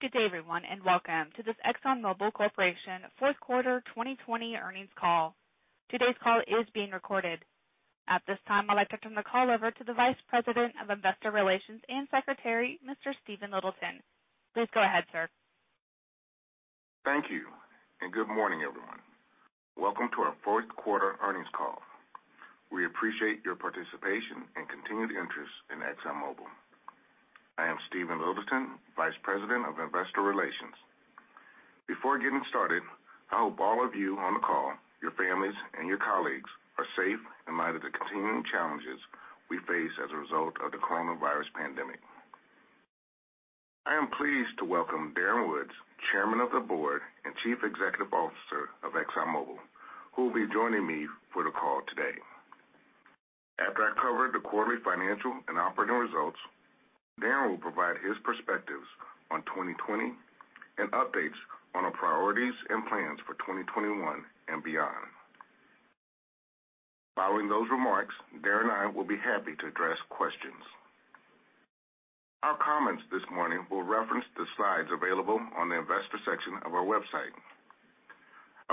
Good day, everyone, and welcome to this ExxonMobil Corporation fourth quarter 2020 earnings call. Today's call is being recorded. At this time, I'd like to turn the call over to the Vice President of Investor Relations and Secretary, Mr. Stephen Littleton. Please go ahead, sir. Thank you. Good morning, everyone. Welcome to our fourth quarter earnings call. We appreciate your participation and continued interest in ExxonMobil. I am Stephen Littleton, Vice President of Investor Relations. Before getting started, I hope all of you on the call, your families, and your colleagues are safe in light of the continuing challenges we face as a result of the coronavirus pandemic. I am pleased to welcome Darren Woods, Chairman of the Board and Chief Executive Officer of ExxonMobil, who will be joining me for the call today. After I cover the quarterly financial and operating results, Darren will provide his perspectives on 2020 and updates on our priorities and plans for 2021 and beyond. Following those remarks, Darren and I will be happy to address questions. Our comments this morning will reference the slides available on the investor section of our website.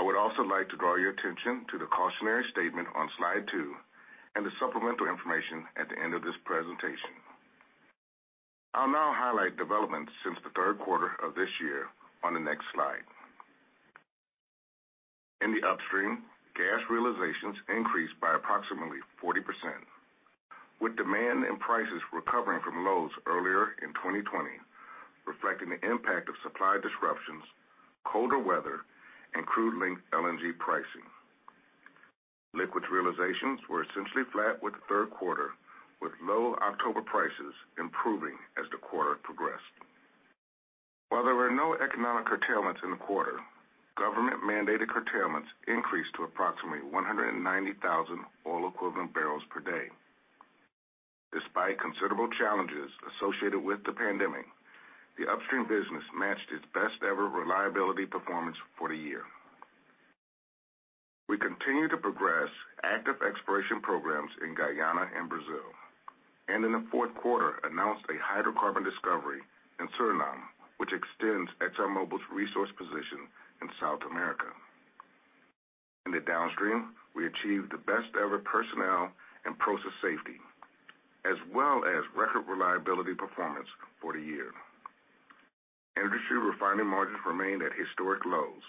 I would also like to draw your attention to the cautionary statement on Slide two and the supplemental information at the end of this presentation. I'll now highlight developments since the third quarter of this year on the next slide. In the Upstream, gas realizations increased by approximately 40%, with demand and prices recovering from lows earlier in 2020, reflecting the impact of supply disruptions, colder weather, and crude linked LNG pricing. Liquids realizations were essentially flat with the third quarter, with low October prices improving as the quarter progressed. While there were no economic curtailments in the quarter, government-mandated curtailments increased to approximately 190,000 oil equivalent barrels per day. Despite considerable challenges associated with the pandemic, the Upstream business matched its best-ever reliability performance for the year. We continue to progress active exploration programs in Guyana and Brazil, and in the fourth quarter announced a hydrocarbon discovery in Suriname, which extends ExxonMobil's resource position in South America. In the Downstream, we achieved the best-ever personnel and process safety, as well as record reliability performance for the year. Industry refining margins remained at historic lows,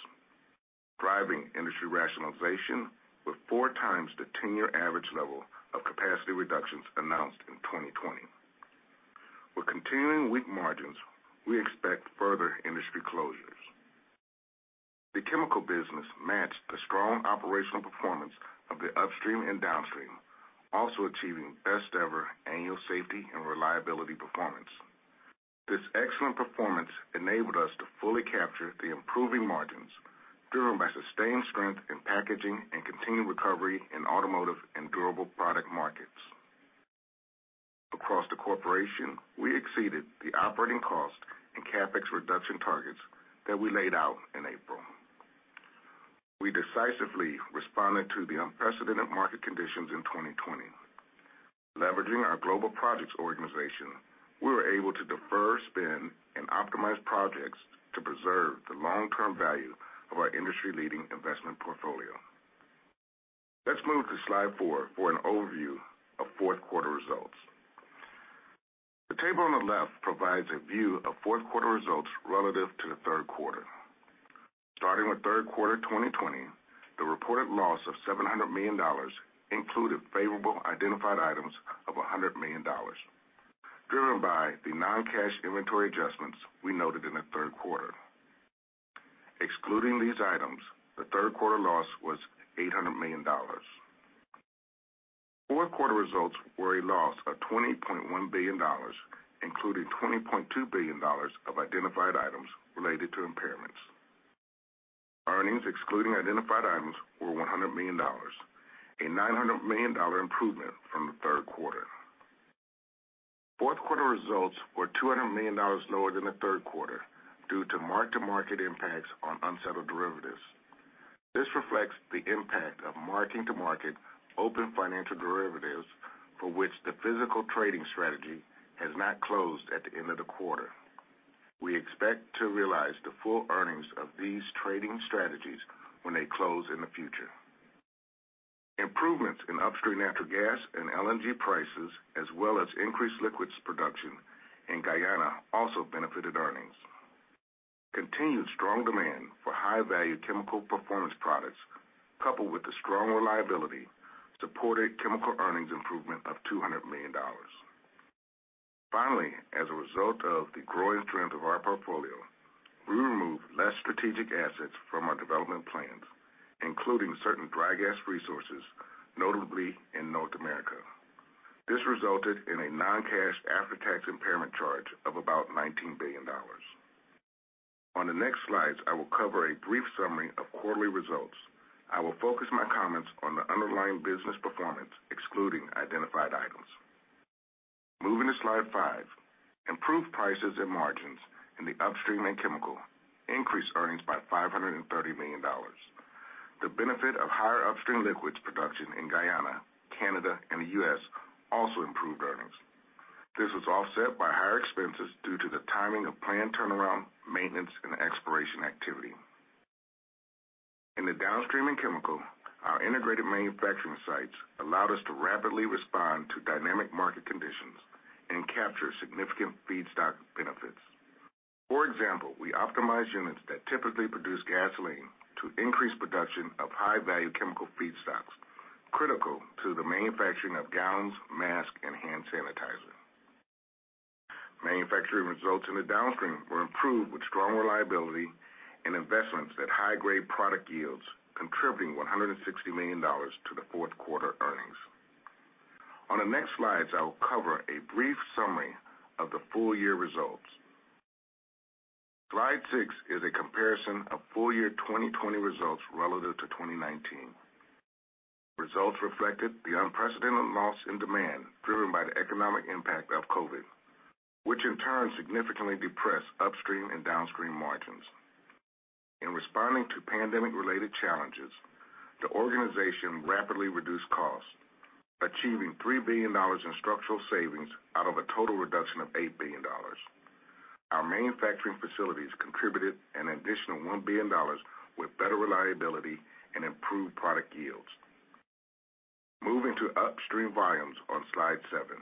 driving industry rationalization with four times the 10-year average level of capacity reductions announced in 2020. With continuing weak margins, we expect further industry closures. The chemical business matched the strong operational performance of the Upstream and Downstream, also achieving best-ever annual safety and reliability performance. This excellent performance enabled us to fully capture the improving margins driven by sustained strength in packaging and continued recovery in automotive and durable product markets. Across the corporation, we exceeded the operating cost and CapEx reduction targets that we laid out in April. We decisively responded to the unprecedented market conditions in 2020. Leveraging our global projects organization, we were able to defer spend and optimize projects to preserve the long-term value of our industry-leading investment portfolio. Let's move to Slide four for an overview of fourth quarter results. The table on the left provides a view of fourth quarter results relative to the third quarter. Starting with third quarter 2020, the reported loss of $700 million included favorable identified items of $100 million, driven by the non-cash inventory adjustments we noted in the third quarter. Excluding these items, the third quarter loss was $800 million. Fourth quarter results were a loss of $20.1 billion, including $20.2 billion of identified items related to impairments. Earnings excluding identified items were $100 million, a $900 million improvement from the third quarter. Fourth quarter results were $200 million lower than the third quarter due to mark-to-market impacts on unsettled derivatives. This reflects the impact of marking-to-market open financial derivatives for which the physical trading strategy has not closed at the end of the quarter. We expect to realize the full earnings of these trading strategies when they close in the future. Improvements in Upstream natural gas and LNG prices, as well as increased liquids production in Guyana also benefited earnings. Continued strong demand for high-value chemical performance products, coupled with the strong reliability, supported chemical earnings improvement of $200 million. Finally, as a result of the growing strength of our portfolio, we removed less strategic assets from our development plans, including certain dry gas resources, notably in North America. This resulted in a non-cash after-tax impairment charge of about $19 billion. On the next slides, I will cover a brief summary of quarterly results. I will focus my comments on the underlying business performance, excluding identified items. Moving to slide five. Improved prices and margins in the Upstream and Chemical increased earnings by $530 million. The benefit of higher Upstream liquids production in Guyana, Canada, and the U.S. also improved earnings. This was offset by higher expenses due to the timing of planned turnaround, maintenance, and exploration activity. In the Downstream and Chemical, our integrated manufacturing sites allowed us to rapidly respond to dynamic market conditions and capture significant feedstock benefits. For example, we optimized units that typically produce gasoline to increase production of high-value Chemical feedstocks, critical to the manufacturing of gowns, masks, and hand sanitizer. Manufacturing results in the Downstream were improved with strong reliability and investments that high-grade product yields contributing $160 million to the fourth quarter earnings. On the next slides, I will cover a brief summary of the full-year results. Slide six is a comparison of full-year 2020 results relative to 2019. Results reflected the unprecedented loss in demand driven by the economic impact of COVID, which in turn significantly depressed Upstream and Downstream margins. In responding to pandemic-related challenges, the organization rapidly reduced costs, achieving $3 billion in structural savings out of a total reduction of $8 billion. Our manufacturing facilities contributed an additional $1 billion with better reliability and improved product yields. Moving to Upstream volumes on Slide seven.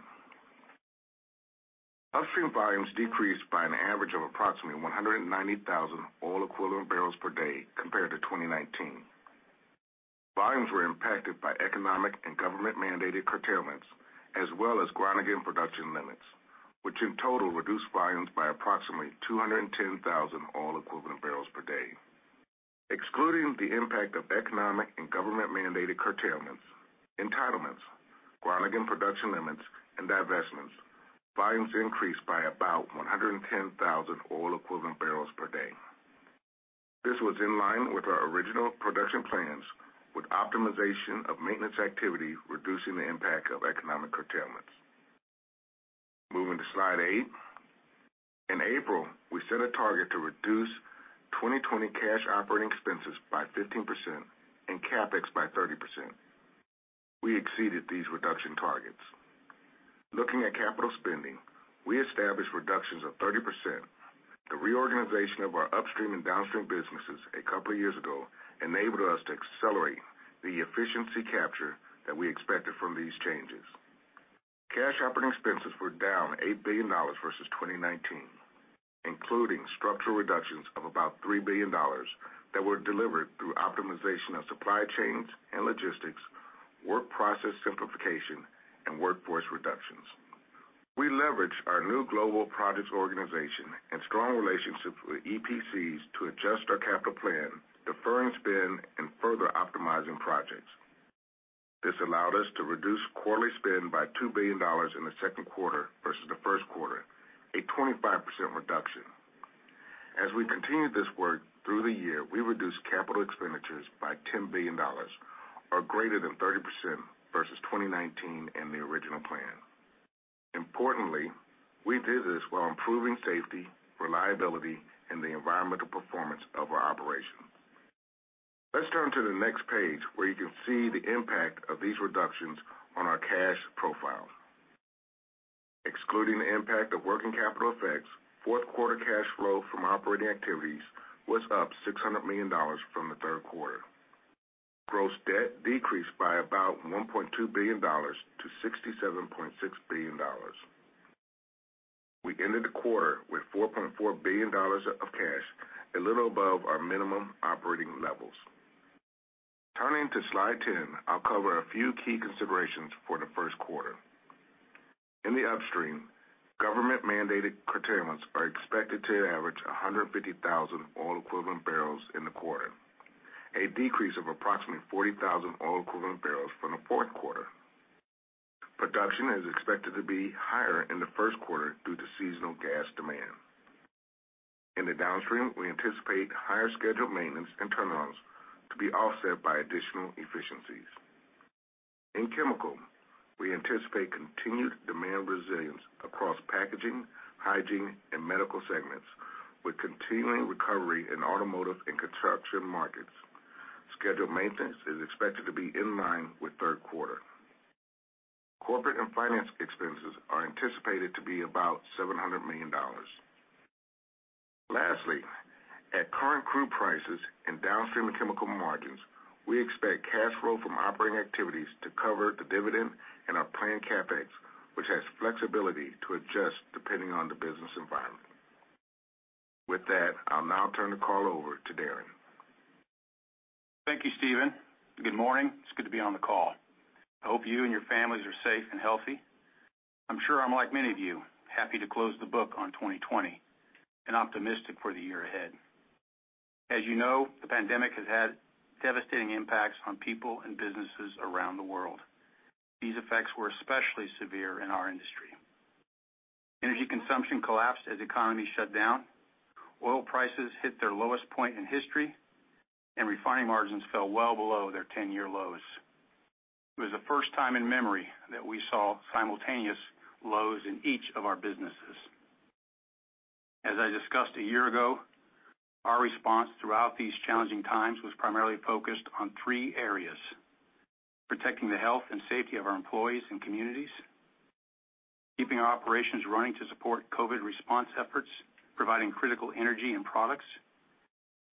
Upstream volumes decreased by an average of approximately 190,000 oil equivalent barrels per day compared to 2019. Volumes were impacted by economic and government-mandated curtailments, as well as Groningen production limits, which in total reduced volumes by approximately 210,000 oil equivalent barrels per day. Excluding the impact of economic and government-mandated curtailments, entitlements, Groningen production limits, and divestments, volumes increased by about 110,000 oil equivalent barrels per day. This was in line with our original production plans, with optimization of maintenance activity reducing the impact of economic curtailments. Moving to Slide eight. In April, we set a target to reduce 2020 cash operating expenses by 15% and CapEx by 30%. We exceeded these reduction targets. Looking at capital spending, we established reductions of 30%. The reorganization of our Upstream and Downstream businesses a couple of years ago enabled us to accelerate the efficiency capture that we expected from these changes. Cash operating expenses were down $8 billion versus 2019, including structural reductions of about $3 billion that were delivered through optimization of supply chains and logistics, work process simplification, and workforce reductions. We leveraged our new global projects organization and strong relationships with EPCs to adjust our capital plan, deferring spend and further optimizing projects. This allowed us to reduce quarterly spend by $2 billion in the second quarter versus the first quarter, a 25% reduction. As we continued this work through the year, we reduced capital expenditures by $10 billion or greater than 30% versus 2019 and the original plan. Importantly, we did this while improving safety, reliability, and the environmental performance of our operations. Let's turn to the next page where you can see the impact of these reductions on our cash profile. Excluding the impact of working capital effects, fourth quarter cash flow from operating activities was up $600 million from the third quarter. Gross debt decreased by about $1.2 billion-$67.6 billion. We ended the quarter with $4.4 billion of cash, a little above our minimum operating levels. Turning to slide 10, I'll cover a few key considerations for the first quarter. In the Upstream, government-mandated curtailments are expected to average 150,000 oil equivalent barrels in the quarter, a decrease of approximately 40,000 oil equivalent barrels from the fourth quarter. Production is expected to be higher in the first quarter due to seasonal gas demand. In the Downstream, we anticipate higher scheduled maintenance and turnarounds to be offset by additional efficiencies. In Chemical, we anticipate continued demand resilience across packaging, hygiene, and medical segments, with continuing recovery in automotive and construction markets. Scheduled maintenance is expected to be in line with third quarter. Corporate and finance expenses are anticipated to be about $700 million. Lastly, at current crude prices and Downstream and Chemical margins, we expect cash flow from operating activities to cover the dividend and our planned CapEx, which has flexibility to adjust depending on the business environment. With that, I'll now turn the call over to Darren. Thank you, Stephen. Good morning. It's good to be on the call. I hope you and your families are safe and healthy. I'm sure I'm like many of you, happy to close the book on 2020 and optimistic for the year ahead. As you know, the pandemic has had devastating impacts on people and businesses around the world. These effects were especially severe in our industry. Energy consumption collapsed as economies shut down. Oil prices hit their lowest point in history, and refining margins fell well below their 10-year lows. It was the first time in memory that we saw simultaneous lows in each of our businesses. As I discussed a year ago, our response throughout these challenging times was primarily focused on three areas. Protecting the health and safety of our employees and communities, keeping our operations running to support COVID response efforts, providing critical energy and products,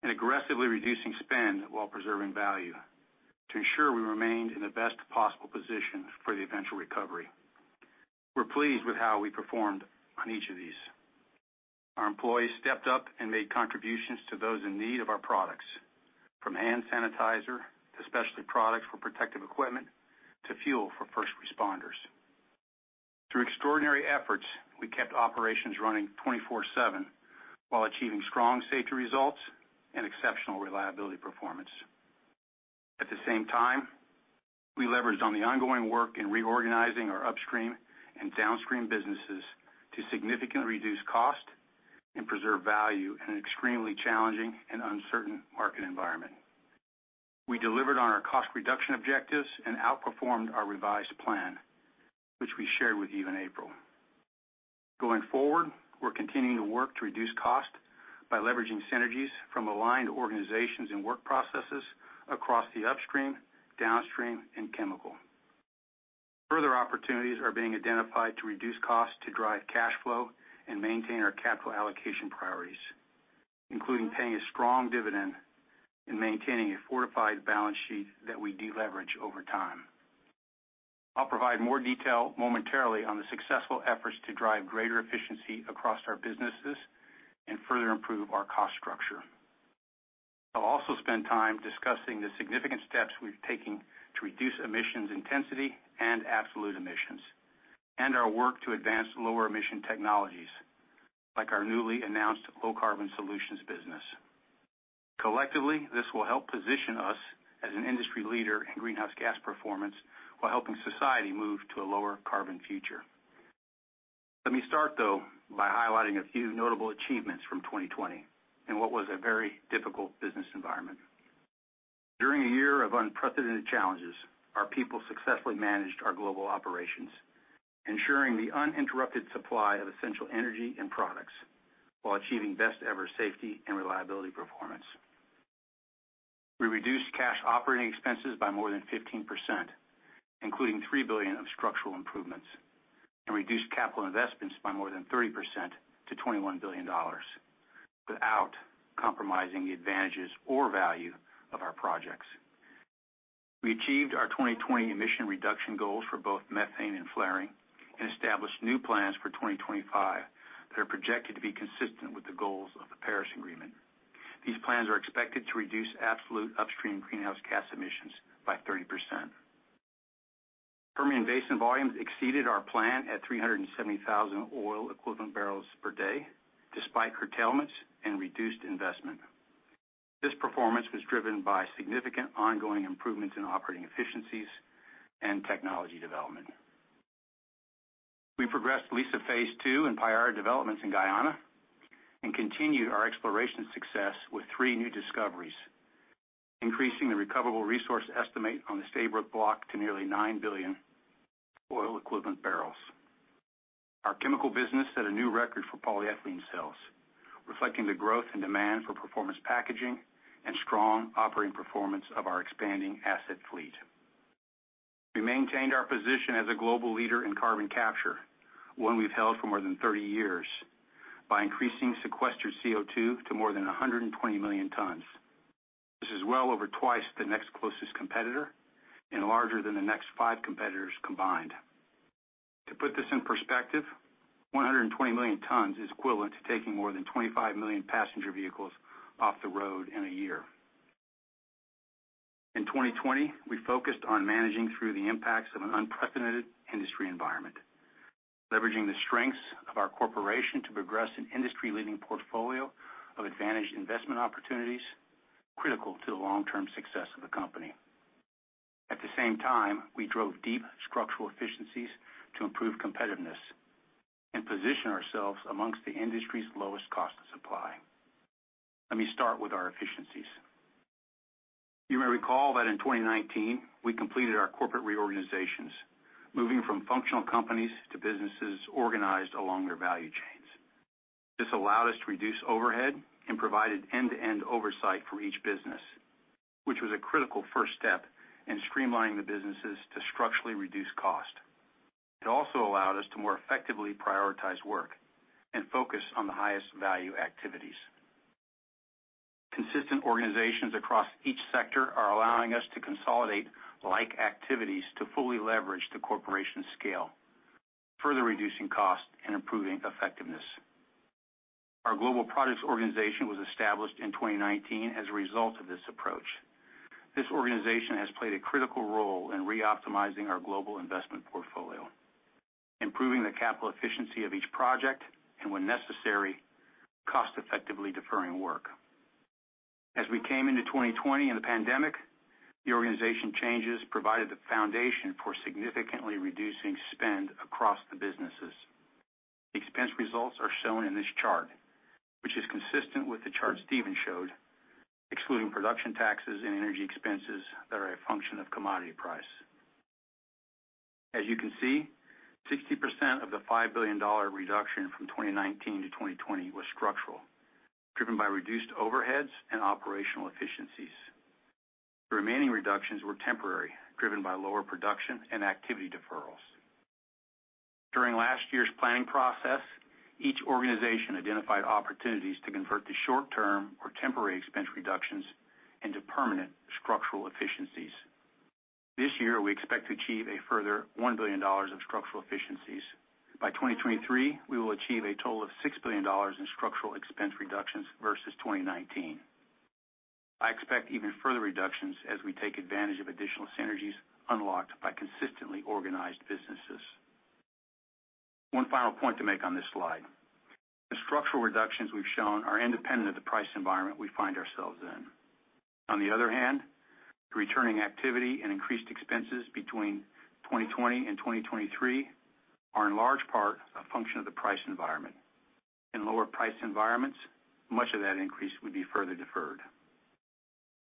and aggressively reducing spend while preserving value to ensure we remained in the best possible position for the eventual recovery. We're pleased with how we performed on each of these. Our employees stepped up and made contributions to those in need of our products, from hand sanitizer to specialty products for protective equipment, to fuel for first responders. Through extraordinary efforts, we kept operations running 24/7 while achieving strong safety results and exceptional reliability performance. At the same time, we leveraged on the ongoing work in reorganizing our upstream and downstream businesses to significantly reduce cost and preserve value in an extremely challenging and uncertain market environment. We delivered on our cost reduction objectives and outperformed our revised plan, which we shared with you in April. Going forward, we're continuing to work to reduce cost by leveraging synergies from aligned organizations and work processes across the upstream, downstream and chemical. Further opportunities are being identified to reduce cost to drive cash flow and maintain our capital allocation priorities, including paying a strong dividend and maintaining a fortified balance sheet that we de-leverage over time. I'll provide more detail momentarily on the successful efforts to drive greater efficiency across our businesses and further improve our cost structure. I'll also spend time discussing the significant steps we've taken to reduce emissions intensity and absolute emissions, and our work to advance lower emission technologies like our newly announced Low Carbon Solutions business. Collectively, this will help position us as an industry leader in greenhouse gas performance while helping society move to a lower carbon future. Let me start though, by highlighting a few notable achievements from 2020 in what was a very difficult business environment. During a year of unprecedented challenges, our people successfully managed our global operations, ensuring the uninterrupted supply of essential energy and products while achieving best ever safety and reliability performance. We reduced cash operating expenses by more than 15%, including $3 billion of structural improvements, and reduced capital investments by more than 30% to $21 billion without compromising the advantages or value of our projects. We achieved our 2020 emission reduction goals for both methane and flaring and established new plans for 2025 that are projected to be consistent with the goals of the Paris Agreement. These plans are expected to reduce absolute upstream greenhouse gas emissions by 30%. Permian Basin volumes exceeded our plan at 370,000 oil equivalent barrels per day, despite curtailments and reduced investment. This performance was driven by significant ongoing improvements in operating efficiencies and technology development. We progressed Liza Phase 2 and Payara developments in Guyana and continued our exploration success with three new discoveries, increasing the recoverable resource estimate on the Stabroek Block to nearly 9 billion oil equivalent barrels. Our chemical business set a new record for polyethylene sales, reflecting the growth in demand for performance packaging and strong operating performance of our expanding asset fleet. We maintained our position as a global leader in carbon capture, one we've held for more than 30 years, by increasing sequestered CO2 to more than 120 million tons. This is well over twice the next closest competitor and larger than the next five competitors combined. To put this in perspective, 120 million tons is equivalent to taking more than 25 million passenger vehicles off the road in a year. In 2020, we focused on managing through the impacts of an unprecedented industry environment, leveraging the strengths of our corporation to progress an industry-leading portfolio of advantaged investment opportunities critical to the long-term success of the company. At the same time, we drove deep structural efficiencies to improve competitiveness and position ourselves amongst the industry's lowest cost of supply. Let me start with our efficiencies. You may recall that in 2019, we completed our corporate reorganizations, moving from functional companies to businesses organized along their value chains. This allowed us to reduce overhead and provided end-to-end oversight for each business, which was a critical first step in streamlining the businesses to structurally reduce cost. It also allowed us to more effectively prioritize work and focus on the highest value activities. Consistent organizations across each sector are allowing us to consolidate like activities to fully leverage the corporation's scale, further reducing cost and improving effectiveness. Our global products organization was established in 2019 as a result of this approach. This organization has played a critical role in reoptimizing our global investment portfolio, improving the capital efficiency of each project, and when necessary, cost effectively deferring work. As we came into 2020 and the pandemic, the organization changes provided the foundation for significantly reducing spend across the businesses. The expense results are shown in this chart, which is consistent with the chart Stephen showed, excluding production taxes and energy expenses that are a function of commodity price. As you can see, 60% of the $5 billion reduction from 2019-2020 was structural, driven by reduced overheads and operational efficiencies. The remaining reductions were temporary, driven by lower production and activity deferrals. During last year's planning process, each organization identified opportunities to convert the short-term or temporary expense reductions into permanent structural efficiencies. This year, we expect to achieve a further $1 billion of structural efficiencies. By 2023, we will achieve a total of $6 billion in structural expense reductions versus 2019. I expect even further reductions as we take advantage of additional synergies unlocked by consistently organized businesses. One final point to make on this slide. The structural reductions we've shown are independent of the price environment we find ourselves in. On the other hand, the returning activity and increased expenses between 2020 and 2023 are, in large part, a function of the price environment. In lower price environments, much of that increase would be further deferred.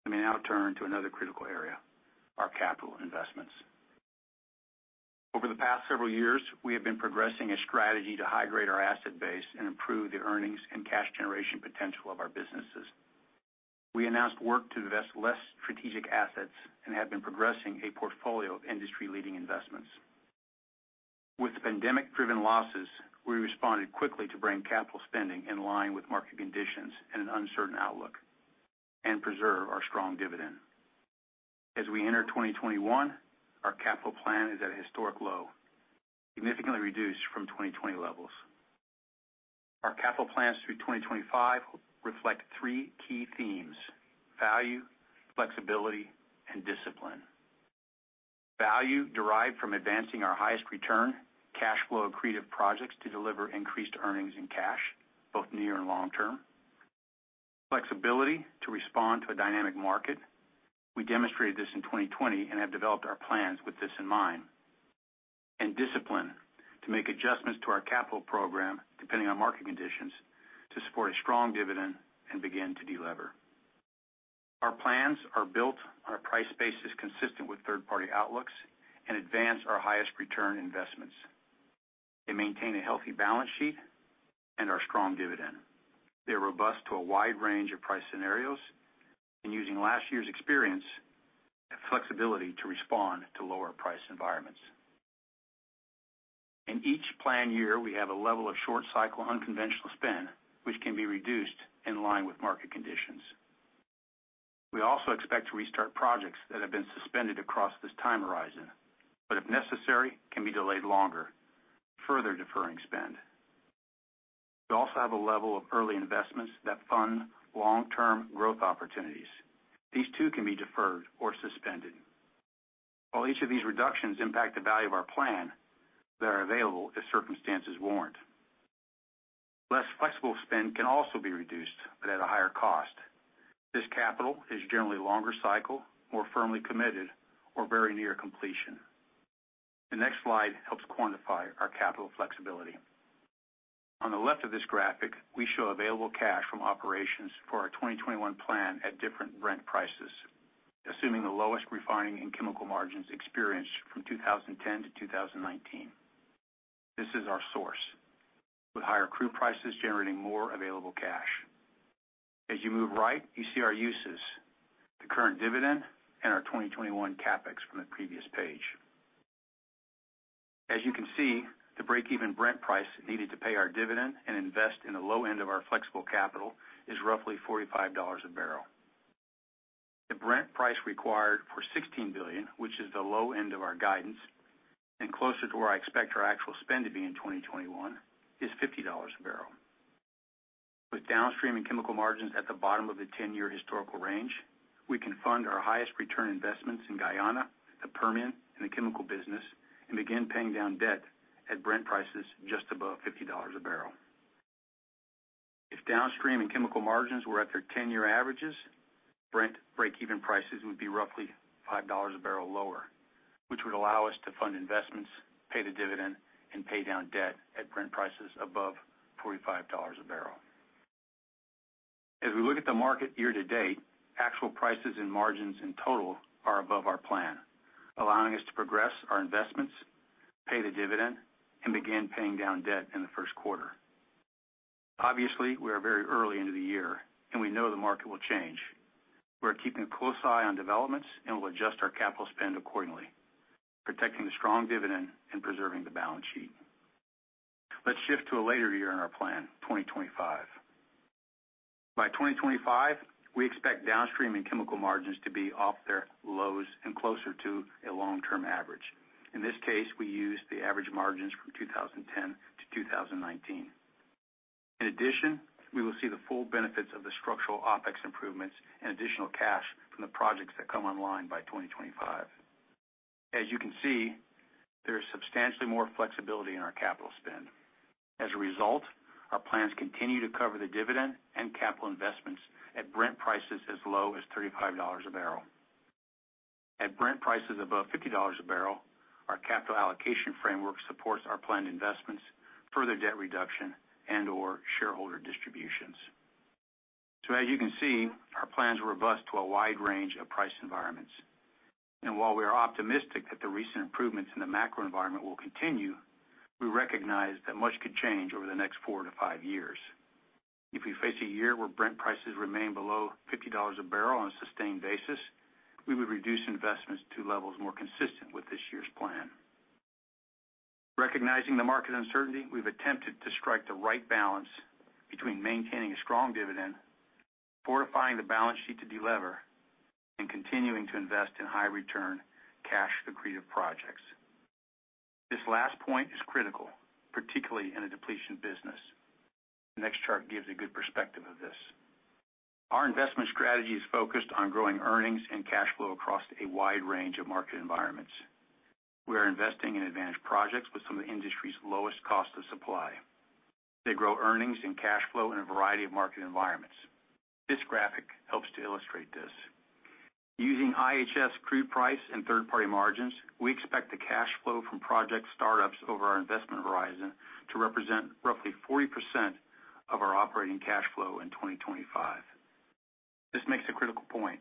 Let me now turn to another critical area, our capital investments. Over the past several years, we have been progressing a strategy to high-grade our asset base and improve the earnings and cash generation potential of our businesses. We announced work to divest less strategic assets and have been progressing a portfolio of industry-leading investments. With pandemic-driven losses, we responded quickly to bring capital spending in line with market conditions and an uncertain outlook and preserve our strong dividend. As we enter 2021, our capital plan is at a historic low, significantly reduced from 2020 levels. Our capital plans through 2025 reflect three key themes: value, flexibility, and discipline. Value derived from advancing our highest return, cash flow accretive projects to deliver increased earnings and cash, both near and long-term. Flexibility to respond to a dynamic market. We demonstrated this in 2020 and have developed our plans with this in mind. Discipline to make adjustments to our capital program, depending on market conditions, to support a strong dividend and begin to de-lever. Our plans are built on a price base that's consistent with third-party outlooks and advance our highest return investments. They maintain a healthy balance sheet and our strong dividend. They're robust to a wide range of price scenarios, and using last year's experience, have flexibility to respond to lower price environments. In each plan year, we have a level of short-cycle unconventional spend, which can be reduced in line with market conditions. We also expect to restart projects that have been suspended across this time horizon, but if necessary, can be delayed longer, further deferring spend. We also have a level of early investments that fund long-term growth opportunities. These too can be deferred or suspended. While each of these reductions impact the value of our plan, they are available if circumstances warrant. Less flexible spend can also be reduced, but at a higher cost. This capital is generally longer cycle, more firmly committed, or very near completion. The next slide helps quantify our capital flexibility. On the left of this graphic, we show available cash from operations for our 2021 plan at different Brent prices, assuming the lowest refining and chemical margins experienced from 2010 to 2019. This is our source, with higher crude prices generating more available cash. As you move right, you see our uses, the current dividend, and our 2021 CapEx from the previous page. As you can see, the break-even Brent price needed to pay our dividend and invest in the low end of our flexible capital is roughly $45 a barrel. The Brent price required for 16 billion, which is the low end of our guidance and closer to where I expect our actual spend to be in 2021, is $50 a bbl. With downstream and chemical margins at the bottom of the 10-year historical range, we can fund our highest return investments in Guyana, the Permian, and the chemical business, and begin paying down debt at Brent prices just above $50 a bbl. If downstream and chemical margins were at their 10-year averages, Brent break-even prices would be roughly $5 a bbl lower, which would allow us to fund investments, pay the dividend, and pay down debt at Brent prices above $45 a bbl. As we look at the market year-to-date, actual prices and margins in total are above our plan, allowing us to progress our investments, pay the dividend, and begin paying down debt in the first quarter. Obviously, we are very early into the year, and we know the market will change. We're keeping a close eye on developments and will adjust our capital spend accordingly, protecting the strong dividend and preserving the balance sheet. Let's shift to a later year in our plan, 2025. By 2025, we expect Downstream and Chemical margins to be off their lows and closer to a long-term average. In this case, we use the average margins from 2010 to 2019. In addition, we will see the full benefits of the structural OpEx improvements and additional cash from the projects that come online by 2025. As you can see, there is substantially more flexibility in our capital spend. As a result, our plans continue to cover the dividend and capital investments at Brent prices as low as $35 a bbl. At Brent prices above $50 a bbl, our capital allocation framework supports our planned investments, further debt reduction, and/or shareholder distributions. As you can see, our plans are robust to a wide range of price environments. While we are optimistic that the recent improvements in the macro environment will continue, we recognize that much could change over the next four to five years. If we face a year where Brent prices remain below $50 a bbl on a sustained basis, we would reduce investments to levels more consistent with this year's plan. Recognizing the market uncertainty, we've attempted to strike the right balance between maintaining a strong dividend, fortifying the balance sheet to delever, and continuing to invest in high-return cash accretive projects. This last point is critical, particularly in a depletion business. The next chart gives a good perspective of this. Our investment strategy is focused on growing earnings and cash flow across a wide range of market environments. We are investing in advantage projects with some of the industry's lowest cost of supply. They grow earnings and cash flow in a variety of market environments. This graphic helps to illustrate this. Using IHS crude price and third-party margins, we expect the cash flow from project startups over our investment horizon to represent roughly 40% of our operating cash flow in 2025. This makes a critical point.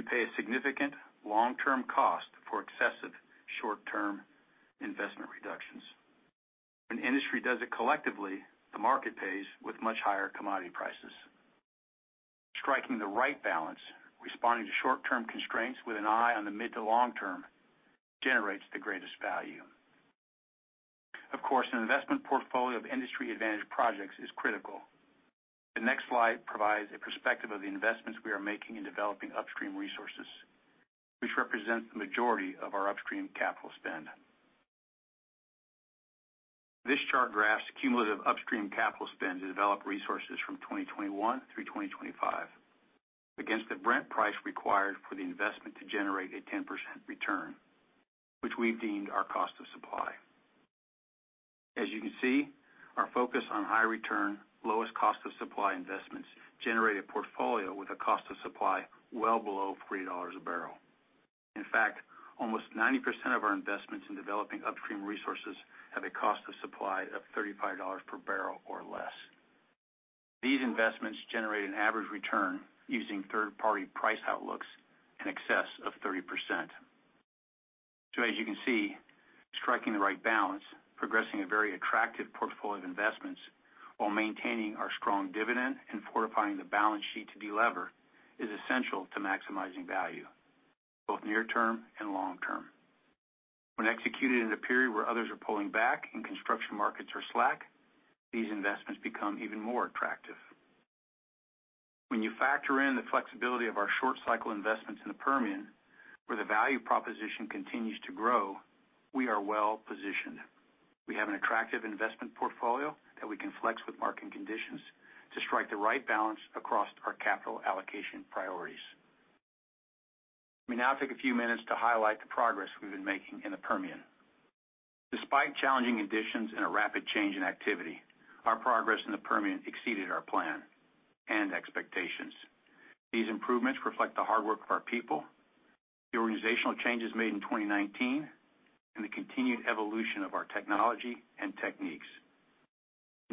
You pay a significant long-term cost for excessive short-term investment reductions. When industry does it collectively, the market pays with much higher commodity prices. Striking the right balance, responding to short-term constraints with an eye on the mid to long term, generates the greatest value. Of course, an investment portfolio of industry advantage projects is critical. The next slide provides a perspective of the investments we are making in developing upstream resources, which represents the majority of our upstream capital spend. This chart graphs cumulative upstream capital spend to develop resources from 2021 through 2025 against the Brent price required for the investment to generate a 10% return, which we've deemed our cost of supply. As you can see, our focus on high return, lowest cost of supply investments generate a portfolio with a cost of supply well below $3 a bbl. In fact, almost 90% of our investments in developing upstream resources have a cost of supply of $35 per bbl or less. These investments generate an average return using third-party price outlooks in excess of 30%. As you can see, striking the right balance, progressing a very attractive portfolio of investments while maintaining our strong dividend and fortifying the balance sheet to delever is essential to maximizing value, both near term and long term. When executed in a period where others are pulling back and construction markets are slack, these investments become even more attractive. When you factor in the flexibility of our short cycle investments in the Permian, where the value proposition continues to grow, we are well-positioned. We have an attractive investment portfolio that we can flex with market conditions to strike the right balance across our capital allocation priorities. Let me now take a few minutes to highlight the progress we've been making in the Permian. Despite challenging conditions and a rapid change in activity, our progress in the Permian exceeded our plan and expectations. These improvements reflect the hard work of our people, the organizational changes made in 2019, and the continued evolution of our technology and techniques.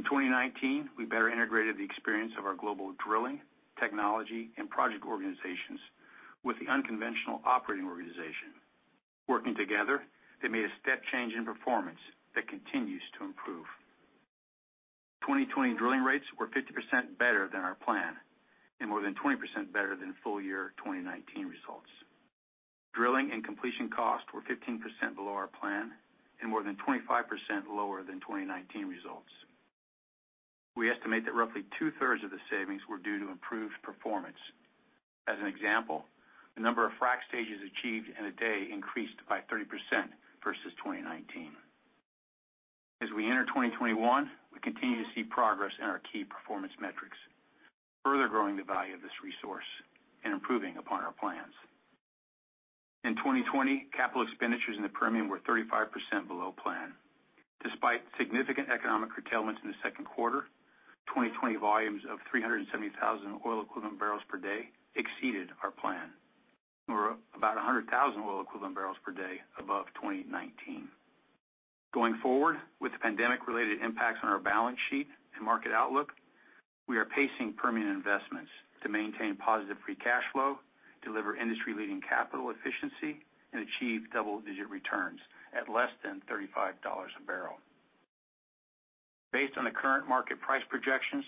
In 2019, we better integrated the experience of our global drilling, technology, and project organizations with the unconventional operating organization. Working together, they made a step change in performance that continues to improve. 2020 drilling rates were 50% better than our plan and more than 20% better than full year 2019 results. Drilling and completion costs were 15% below our plan and more than 25% lower than 2019 results. We estimate that roughly two-thirds of the savings were due to improved performance. As an example, the number of frac stages achieved in a day increased by 30% versus 2019. As we enter 2021, we continue to see progress in our key performance metrics, further growing the value of this resource and improving upon our plans. In 2020, capital expenditures in the Permian were 35% below plan. Despite significant economic curtailments in the second quarter, 2020 volumes of 370,000 oil equivalent barrels per day exceeded our plan. We're about 100,000 oil equivalent barrels per day above 2019. Going forward, with the pandemic-related impacts on our balance sheet and market outlook, we are pacing Permian investments to maintain positive free cash flow, deliver industry-leading capital efficiency, and achieve double-digit returns at less than $35 a bbl. Based on the current market price projections,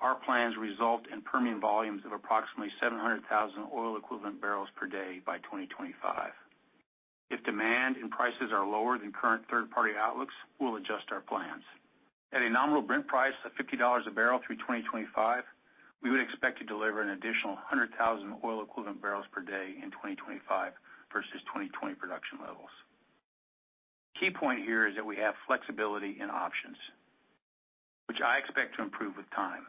our plans result in Permian volumes of approximately 700,000 oil equivalent bpd by 2025. If demand and prices are lower than current third-party outlooks, we'll adjust our plans. At a nominal Brent price of $50 a barrel through 2025, we would expect to deliver an additional 100,000 oil equivalent bpd in 2025 versus 2020 production levels. Key point here is that we have flexibility and options, which I expect to improve with time.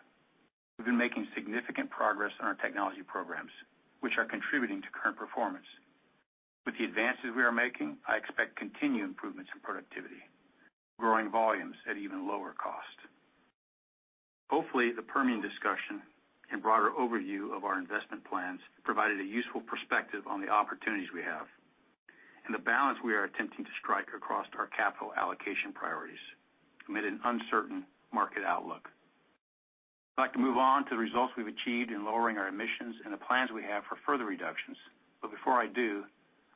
We've been making significant progress on our technology programs, which are contributing to current performance. With the advances we are making, I expect continued improvements in productivity, growing volumes at even lower cost. Hopefully, the Permian discussion and broader overview of our investment plans provided a useful perspective on the opportunities we have. The balance we are attempting to strike across our capital allocation priorities amid an uncertain market outlook. I'd like to move on to the results we've achieved in lowering our emissions and the plans we have for further reductions. Before I do,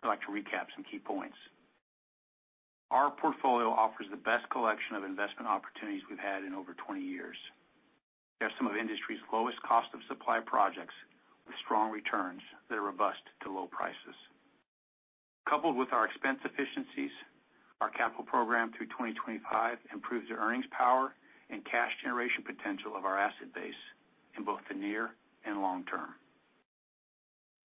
I'd like to recap some key points. Our portfolio offers the best collection of investment opportunities we've had in over 20 years. They are some of the industry's lowest cost of supply projects with strong returns that are robust to low prices. Coupled with our expense efficiencies, our capital program through 2025 improves the earnings power and cash generation potential of our asset base in both the near and long term.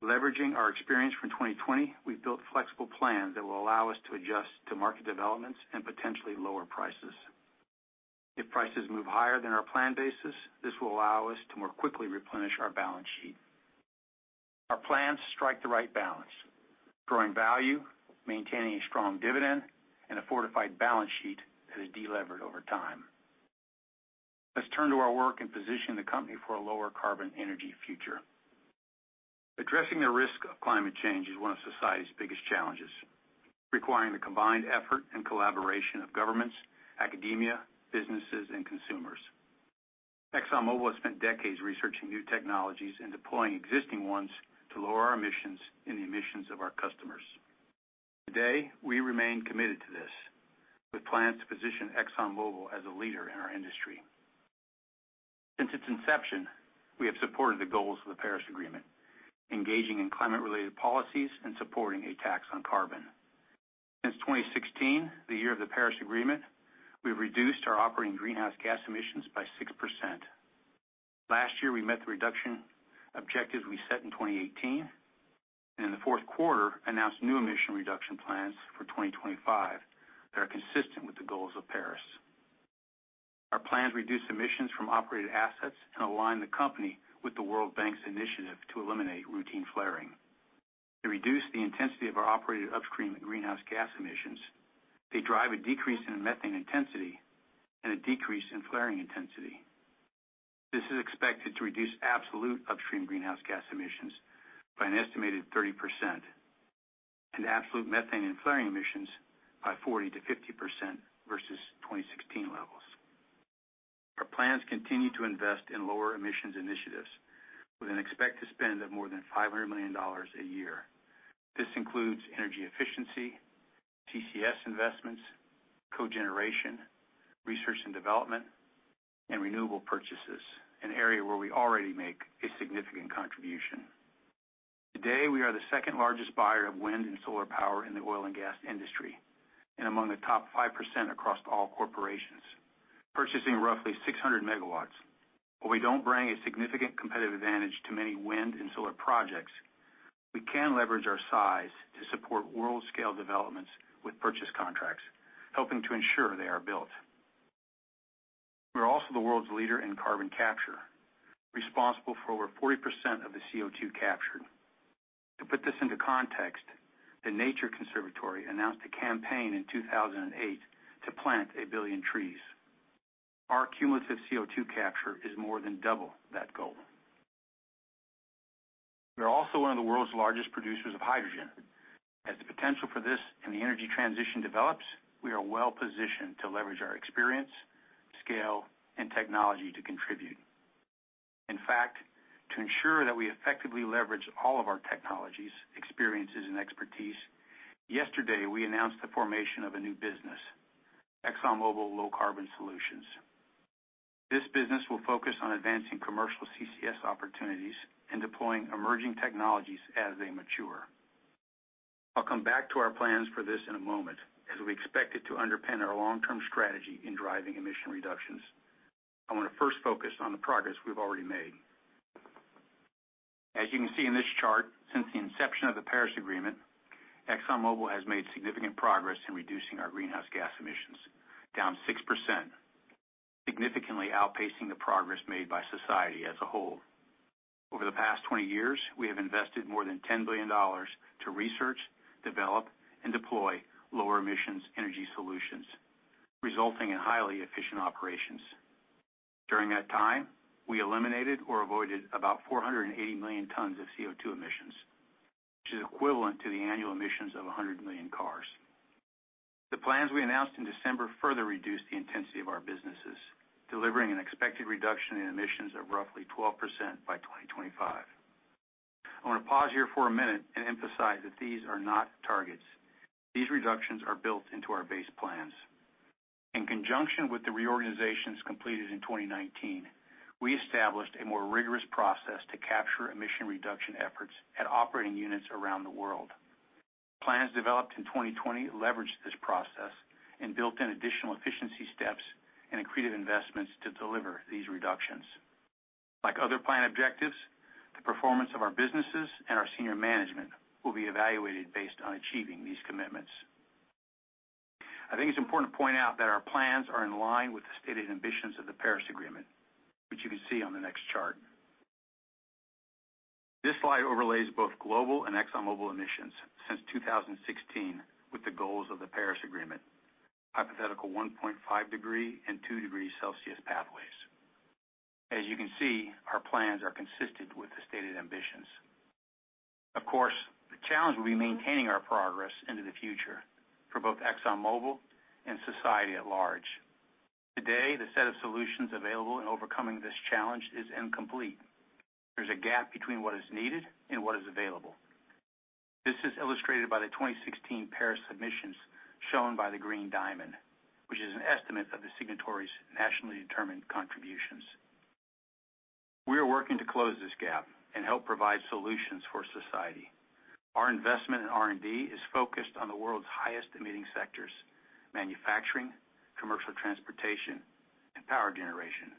Leveraging our experience from 2020, we've built flexible plans that will allow us to adjust to market developments and potentially lower prices. If prices move higher than our plan basis, this will allow us to more quickly replenish our balance sheet. Our plans strike the right balance, growing value, maintaining a strong dividend, and a fortified balance sheet that is delevered over time. Let's turn to our work in positioning the company for a lower carbon energy future. Addressing the risk of climate change is one of society's biggest challenges, requiring the combined effort and collaboration of governments, academia, businesses, and consumers. ExxonMobil has spent decades researching new technologies and deploying existing ones to lower our emissions and the emissions of our customers. Today, we remain committed to this with plans to position ExxonMobil as a leader in our industry. Since its inception, we have supported the goals of the Paris Agreement, engaging in climate-related policies and supporting a tax on carbon. Since 2016, the year of the Paris Agreement, we've reduced our operating greenhouse gas emissions by 6%. Last year, we met the reduction objectives we set in 2018, and in the fourth quarter, announced new emission reduction plans for 2025 that are consistent with the goals of Paris. Our plans reduce emissions from operated assets and align the company with the World Bank's initiative to eliminate routine flaring. To reduce the intensity of our operated upstream greenhouse gas emissions, they drive a decrease in methane intensity and a decrease in flaring intensity. This is expected to reduce absolute upstream greenhouse gas emissions by an estimated 30% and absolute methane and flaring emissions by 40%-50% versus 2016 levels. Our plans continue to invest in lower emissions initiatives with an expected spend of more than $500 million a year. This includes energy efficiency, CCS investments, cogeneration, research and development, and renewable purchases, an area where we already make a significant contribution. Today, we are the second-largest buyer of wind and solar power in the oil and gas industry, and among the top 5% across all corporations, purchasing roughly 600 MW. While we don't bring a significant competitive advantage to many wind and solar projects, we can leverage our size to support world-scale developments with purchase contracts, helping to ensure they are built. We're also the world's leader in carbon capture, responsible for over 40% of the CO2 captured. To put this into context, The Nature Conservancy announced a campaign in 2008 to plant 1 billion trees. Our cumulative CO2 capture is more than double that goal. We are also one of the world's largest producers of hydrogen. As the potential for this and the energy transition develops, we are well-positioned to leverage our experience, scale, and technology to contribute. In fact, to ensure that we effectively leverage all of our technologies, experiences, and expertise, yesterday, we announced the formation of a new business, ExxonMobil Low Carbon Solutions. This business will focus on advancing commercial CCS opportunities and deploying emerging technologies as they mature. I'll come back to our plans for this in a moment, as we expect it to underpin our long-term strategy in driving emission reductions. I want to first focus on the progress we've already made. As you can see in this chart, since the inception of the Paris Agreement, ExxonMobil has made significant progress in reducing our greenhouse gas emissions, down 6%, significantly outpacing the progress made by society as a whole. Over the past 20 years, we have invested more than $10 billion to research, develop, and deploy lower emissions energy solutions, resulting in highly efficient operations. During that time, we eliminated or avoided about 480 million tons of CO2 emissions, which is equivalent to the annual emissions of 100 million cars. The plans we announced in December further reduced the intensity of our businesses, delivering an expected reduction in emissions of roughly 12% by 2025. I want to pause here for a minute and emphasize that these are not targets. These reductions are built into our base plans. In conjunction with the reorganizations completed in 2019, we established a more rigorous process to capture emission reduction efforts at operating units around the world. Plans developed in 2020 leveraged this process and built in additional efficiency steps and accretive investments to deliver these reductions. Like other plan objectives, the performance of our businesses and our senior management will be evaluated based on achieving these commitments. I think it's important to point out that our plans are in line with the stated ambitions of the Paris Agreement, which you can see on the next chart. This slide overlays both global and ExxonMobil emissions since 2016 with the goals of the Paris Agreement, hypothetical 1.5-degree and two-degree Celsius pathways. As you can see, our plans are consistent with the stated ambitions. Of course, the challenge will be maintaining our progress into the future for both ExxonMobil and society at large. Today, the set of solutions available in overcoming this challenge is incomplete. There's a gap between what is needed and what is available. This is illustrated by the 2016 Paris submissions shown by the green diamond, which is an estimate of the signatories' nationally determined contributions. We are working to close this gap and help provide solutions for society. Our investment in R&D is focused on the world's highest emitting sectors, manufacturing, commercial transportation, and power generation,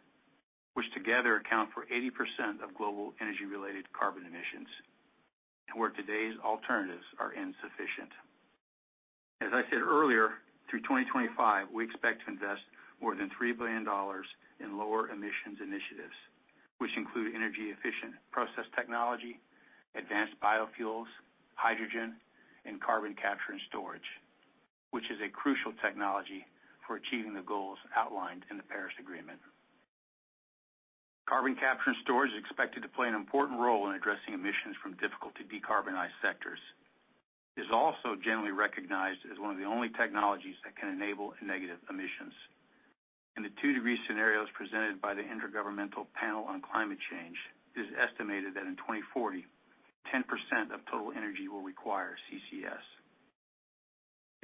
which together account for 80% of global energy-related carbon emissions and where today's alternatives are insufficient. As I said earlier, through 2025, we expect to invest more than $3 billion in lower emissions initiatives, which include energy-efficient process technology, advanced biofuels, hydrogen, and carbon capture and storage, which is a crucial technology for achieving the goals outlined in the Paris Agreement. Carbon capture and storage is expected to play an important role in addressing emissions from difficult to decarbonize sectors. It is also generally recognized as one of the only technologies that can enable negative emissions. In the two-degree scenarios presented by the Intergovernmental Panel on Climate Change, it is estimated that in 2040, 10% of total energy will require CCS.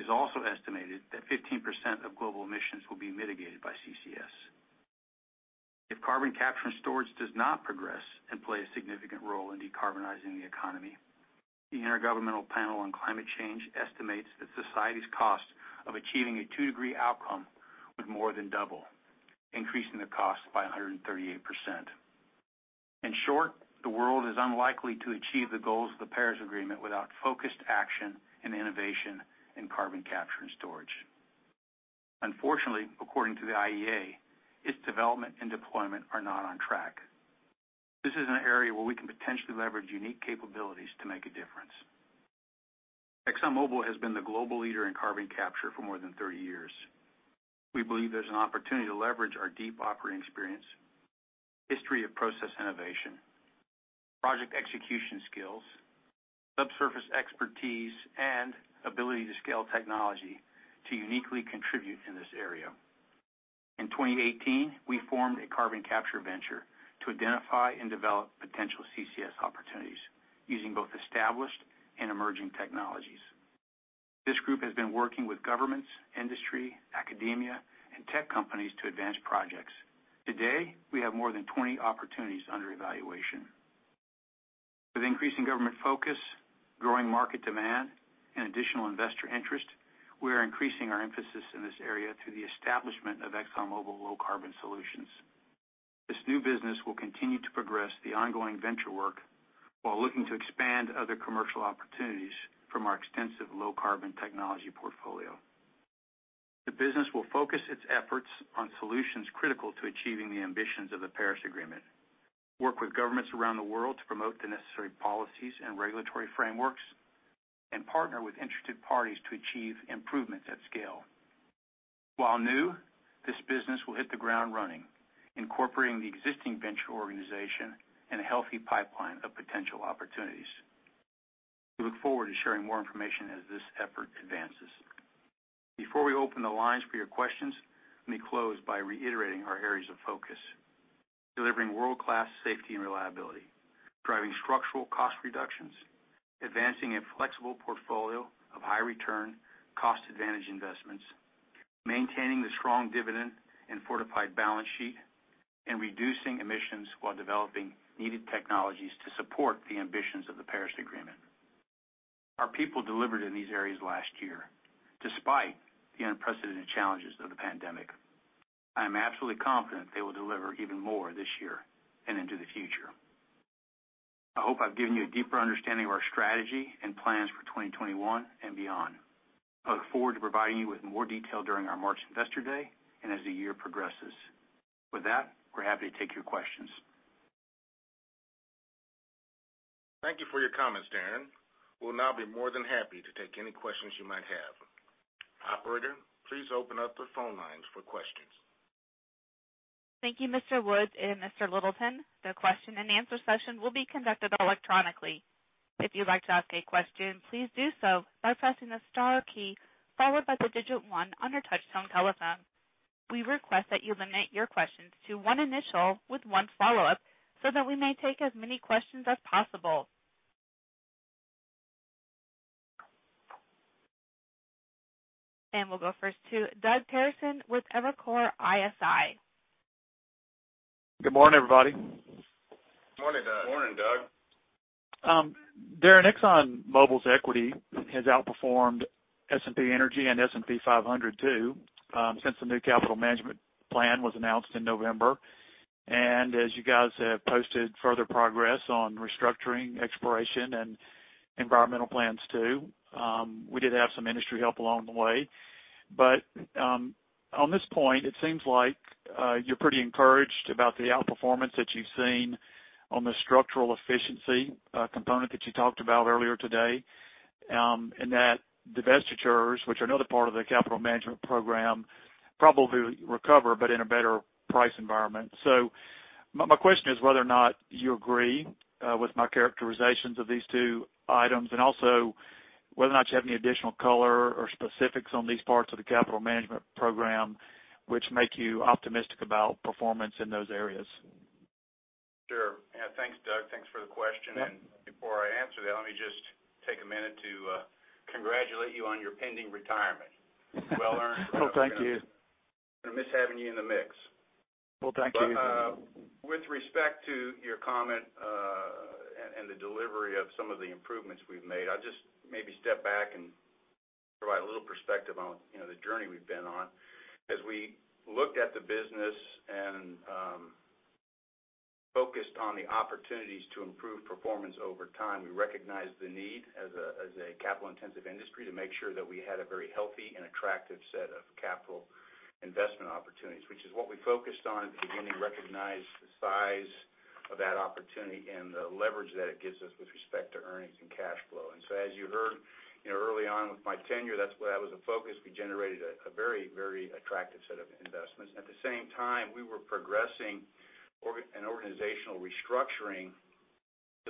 It is also estimated that 15% of global emissions will be mitigated by CCS. If carbon capture and storage does not progress and play a significant role in decarbonizing the economy, the Intergovernmental Panel on Climate Change estimates that society's cost of achieving a two-degree outcome would more than double, increasing the cost by 138%. In short, the world is unlikely to achieve the goals of the Paris Agreement without focused action and innovation in carbon capture and storage. Unfortunately, according to the IEA, its development and deployment are not on track. This is an area where we can potentially leverage unique capabilities to make a difference. ExxonMobil has been the global leader in carbon capture for more than 30 years. We believe there's an opportunity to leverage our deep operating experience, history of process innovation, project execution skills, subsurface expertise, and ability to scale technology to uniquely contribute in this area. In 2018, we formed a carbon capture venture to identify and develop potential CCS opportunities using both established and emerging technologies. This group has been working with governments, industry, academia, and tech companies to advance projects. Today, we have more than 20 opportunities under evaluation. With increasing government focus, growing market demand, and additional investor interest, we are increasing our emphasis in this area through the establishment of ExxonMobil Low Carbon Solutions. This new business will continue to progress the ongoing venture work while looking to expand other commercial opportunities from our extensive low carbon technology portfolio. The business will focus its efforts on solutions critical to achieving the ambitions of the Paris Agreement, work with governments around the world to promote the necessary policies and regulatory frameworks, and partner with interested parties to achieve improvements at scale. While new, this business will hit the ground running, incorporating the existing venture organization and a healthy pipeline of potential opportunities. We look forward to sharing more information as this effort advances. Before we open the lines for your questions, let me close by reiterating our areas of focus. Delivering world-class safety and reliability, driving structural cost reductions, advancing a flexible portfolio of high return cost advantage investments, maintaining the strong dividend and fortified balance sheet, and reducing emissions while developing needed technologies to support the ambitions of the Paris Agreement. Our people delivered in these areas last year, despite the unprecedented challenges of the pandemic. I am absolutely confident they will deliver even more this year and into the future. I hope I've given you a deeper understanding of our strategy and plans for 2021 and beyond. I look forward to providing you with more detail during our March Investor Day and as the year progresses. With that, we're happy to take your questions. Thank you for your comments, Darren. We'll now be more than happy to take any questions you might have. Operator, please open up the phone lines for questions. Thank you, Mr. Woods and Mr. Littleton. The question and answer session will be conducted electronically. If you like to ask a question please to do so by pressing the star key followed by digit one on your touchphone telephone. We request that you limit your questions to one initial with one follow-up so that we may take as many questions as possible. We'll go first to Doug Terreson with Evercore ISI. Good morning, everybody. Morning, Doug. Morning, Doug. Darren, ExxonMobil's equity has outperformed S&P Energy and S&P 500 too since the new capital management plan was announced in November. As you guys have posted further progress on restructuring exploration and environmental plans too, we did have some industry help along the way. On this point, it seems like you're pretty encouraged about the outperformance that you've seen on the structural efficiency component that you talked about earlier today, and that divestitures, which are another part of the capital management program, probably recover but in a better price environment. My question is whether or not you agree with my characterizations of these two items, and also whether or not you have any additional color or specifics on these parts of the capital management program which make you optimistic about performance in those areas. Sure. Yeah. Thanks, Doug. Thanks for the question. Yeah. Before I answer that, let me just take a minute to congratulate you on your pending retirement. Well earned. Well, thank you. We're going to miss having you in the mix. Well, thank you. With respect to your comment and the delivery of some of the improvements we've made, I'll just maybe step back and provide a little perspective on the journey we've been on. As we looked at the business and focused on the opportunities to improve performance over time, we recognized the need as a capital-intensive industry to make sure that we had a very healthy and attractive set of capital investment opportunities, which is what we focused on at the beginning, recognized the size of that opportunity and the leverage that it gives us with respect to earnings and cash flow. As you heard early on with my tenure, that was a focus. We generated a very attractive set of investments. At the same time, we were progressing an organizational restructuring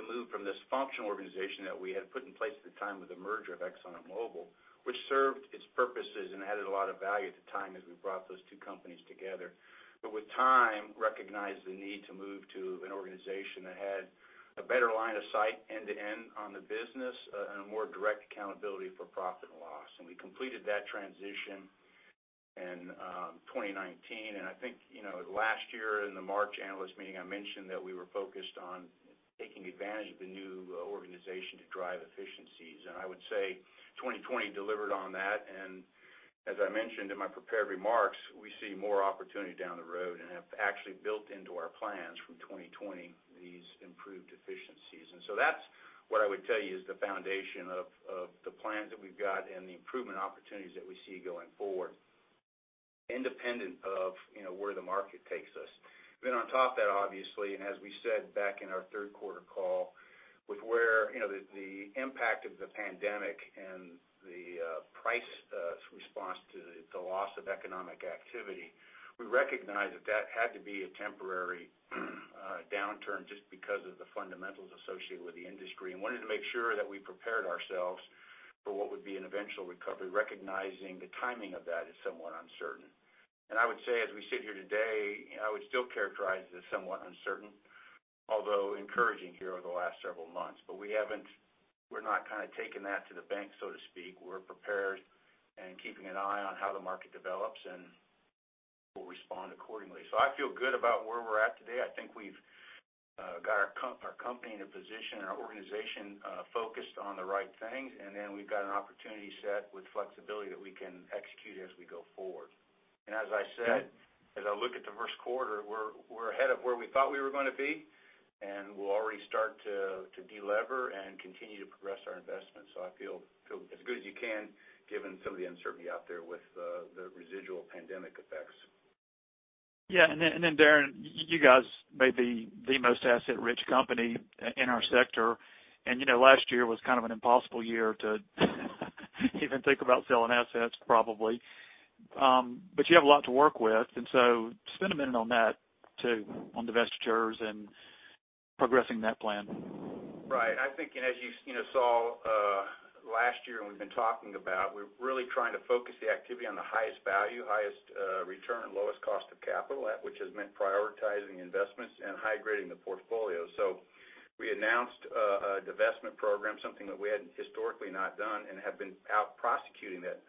to move from this functional organization that we had put in place at the time of the merger of Exxon and Mobil, which served its purposes and added a lot of value at the time as we brought those two companies together. With time, recognized the need to move to an organization that had a better line of sight end-to-end on the business and a more direct accountability for profit and loss. We completed that transition in 2019. I think last year in the March analyst meeting, I mentioned that we were focused on taking advantage of the new organization to drive efficiencies. I would say 2020 delivered on that. As I mentioned in my prepared remarks, we see more opportunity down the road and have actually built into our plans from 2020 these improved efficiencies. That's what I would tell you is the foundation of the plans that we've got and the improvement opportunities that we see going forward, independent of where the market takes us. On top of that, obviously, as we said back in our third quarter call, with where the impact of the pandemic and the price response to the loss of economic activity, we recognized that that had to be a temporary downturn just because of the fundamentals associated with the industry and wanted to make sure that we prepared ourselves for what would be an eventual recovery, recognizing the timing of that is somewhat uncertain. I would say, as we sit here today, I would still characterize it as somewhat uncertain, although encouraging here over the last several months. We're not taking that to the bank, so to speak. We're prepared and keeping an eye on how the market develops, and we'll respond accordingly. I feel good about where we're at today. I think we've got our company in a position and our organization focused on the right things. We've got an opportunity set with flexibility that we can execute as we go forward. As I said, as I look at the first quarter, we're ahead of where we thought we were going to be, and we'll already start to de-lever and continue to progress our investments. I feel as good as you can given some of the uncertainty out there with the residual pandemic effects. Yeah. Then, Darren, you guys may be the most asset-rich company in our sector, and last year was kind of an impossible year to even think about selling assets, probably. You have a lot to work with, and so spend a minute on that too, on divestitures and progressing that plan. Right. I think, and as you saw last year, and we've been talking about, we're really trying to focus the activity on the highest value, highest return, lowest cost of capital, which has meant prioritizing investments and high-grading the portfolio. We announced a divestment program, something that we had historically not done and have been out prosecuting that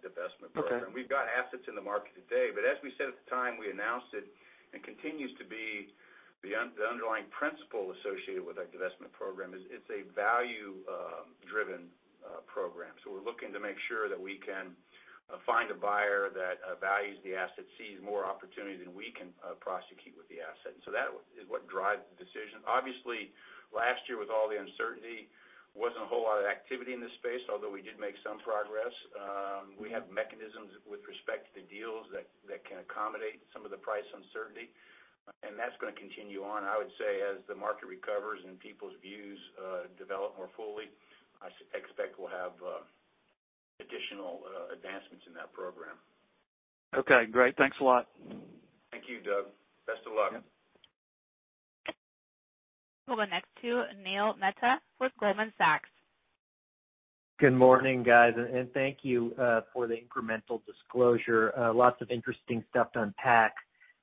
divestment program. Okay. We've got assets in the market today. As we said at the time we announced it, and continues to be the underlying principle associated with our divestment program, is it's a value-driven program. We're looking to make sure that we can find a buyer that values the asset, sees more opportunity than we can prosecute with the asset. That is what drives the decision. Obviously, last year with all the uncertainty, wasn't a whole lot of activity in this space, although we did make some progress. We have mechanisms with respect to the deals that can accommodate some of the price uncertainty. That's going to continue on. I would say as the market recovers and people's views develop more fully, I expect we'll have additional advancements in that program. Okay, great. Thanks a lot. Thank you, Doug. Best of luck. We'll go next to Neil Mehta with Goldman Sachs. Good morning, guys. Thank you for the incremental disclosure. Lots of interesting stuff to unpack.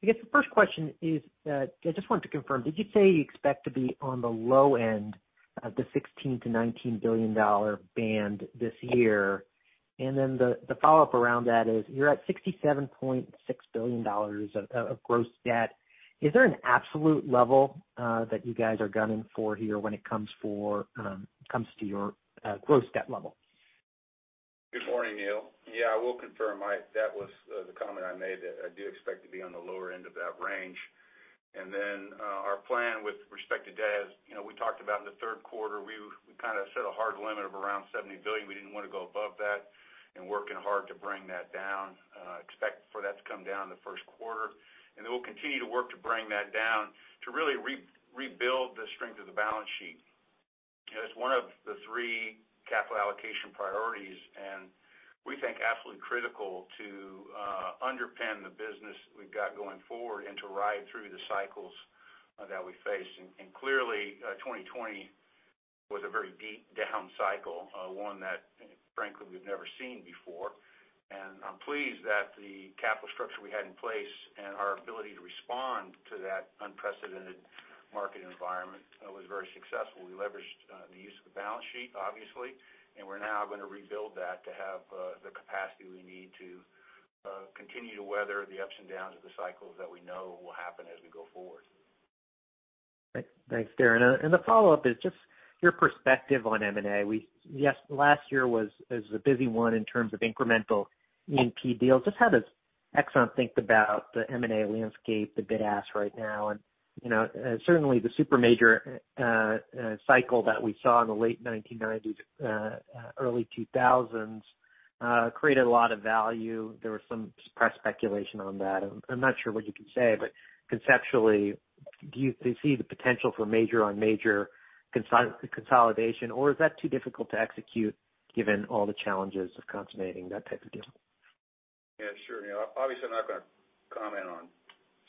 I guess the first question is I just wanted to confirm, did you say you expect to be on the low end of the $16 billion-$19 billion band this year? Then the follow-up around that is, you're at $67.6 billion of gross debt. Is there an absolute level that you guys are gunning for here when it comes to your gross debt level? Good morning, Neil. Yeah, I will confirm that was the comment I made, that I do expect to be on the lower end of that range. Our plan with respect to debt, as we talked about in the third quarter, we kind of set a hard limit of around $70 billion. We didn't want to go above that. Working hard to bring that down. Expect for that to come down in the first quarter. We'll continue to work to bring that down to really rebuild the strength of the balance sheet. It's one of the three capital allocation priorities, and we think absolutely critical to underpin the business we've got going forward and to ride through the cycles that we face. Clearly, 2020 was a very deep down cycle, one that frankly, we've never seen before. I'm pleased that the capital structure we had in place and our ability to respond to that unprecedented market environment was very successful. We leveraged the use of the balance sheet, obviously, and we're now going to rebuild that to have the capacity we need to continue to weather the ups and downs of the cycles that we know will happen as we go forward. Thanks, Darren. The follow-up is just your perspective on M&A. Last year was a busy one in terms of incremental E&P deals. Just how does Exxon think about the M&A landscape, the bid ask right now? Certainly, the super major cycle that we saw in the late 1990s, early 2000s, created a lot of value. There was some press speculation on that. I'm not sure what you can say, conceptually, do you see the potential for major on major consolidation, or is that too difficult to execute given all the challenges of consummating that type of deal? Yeah, sure. Obviously, I'm not going to comment on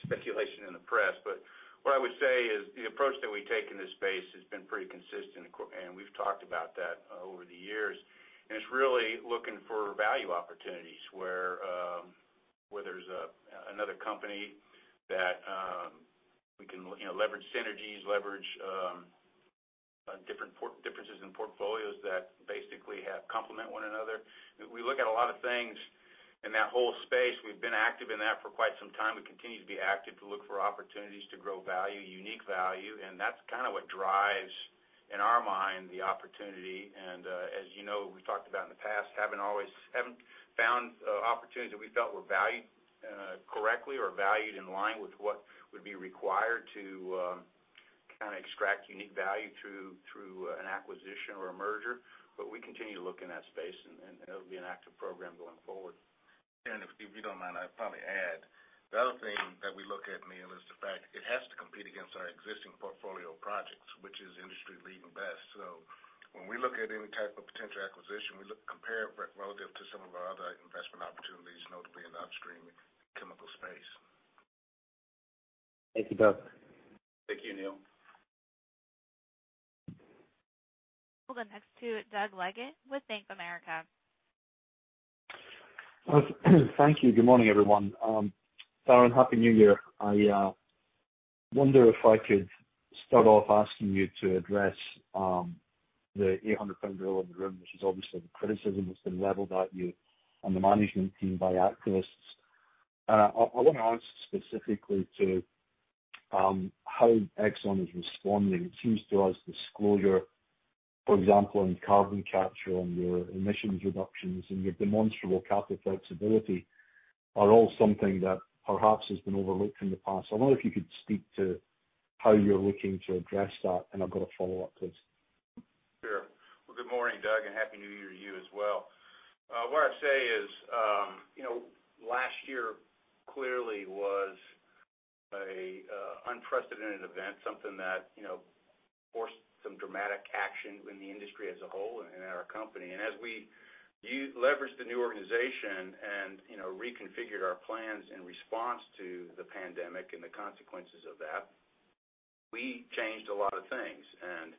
speculation in the press, but what I would say is the approach that we take in this space has been pretty consistent, and we've talked about that over the years, and it's really looking for value opportunities where there's another company that we can leverage synergies, leverage differences in portfolios that basically complement one another. We look at a lot of things in that whole space. We've been active in that for quite some time. We continue to be active to look for opportunities to grow value, unique value, and that's kind of what drives, in our mind, the opportunity. As you know, we've talked about in the past, haven't found opportunities that we felt were valued correctly or valued in line with what would be required to kind of extract unique value through an acquisition or a merger. We continue to look in that space, and it'll be an active program going forward. Darren, if you don't mind, I'd probably add. The other thing that we look at, Neal, is the fact it has to compete against our existing portfolio of projects, which is industry-leading best. When we look at any type of potential acquisition, we compare it relative to some of our other investment opportunities, notably in the upstream chemical space. Thank you both. Thank you, Neil. We'll go next to Doug Leggate with Bank of America. Thank you. Good morning, everyone. Darren, Happy New Year. I wonder if I could start off asking you to address the 800-pound gorilla in the room, which is obviously the criticism that's been leveled at you and the management team by activists. I want to ask specifically to how Exxon is responding. It seems to us disclosure, for example, on carbon capture, on your emissions reductions, and your demonstrable capital flexibility are all something that perhaps has been overlooked in the past. I wonder if you could speak to how you're looking to address that, and I've got a follow-up, please. Sure. Well, good morning, Doug. Happy New Year to you as well. What I'd say is last year clearly was an unprecedented event, something that forced some dramatic action in the industry as a whole and in our company. As we leveraged the new organization and reconfigured our plans in response to the pandemic and the consequences of that, we changed a lot of things and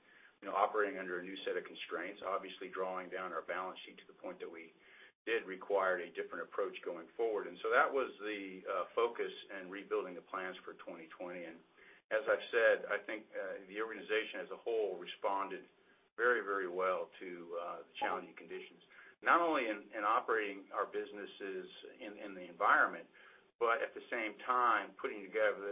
operating under a new set of constraints, obviously drawing down our balance sheet to the point that we did require a different approach going forward. That was the focus in rebuilding the plans for 2020. As I've said, I think the organization as a whole responded very well to the challenging conditions. Not only in operating our businesses in the environment, but at the same time, putting together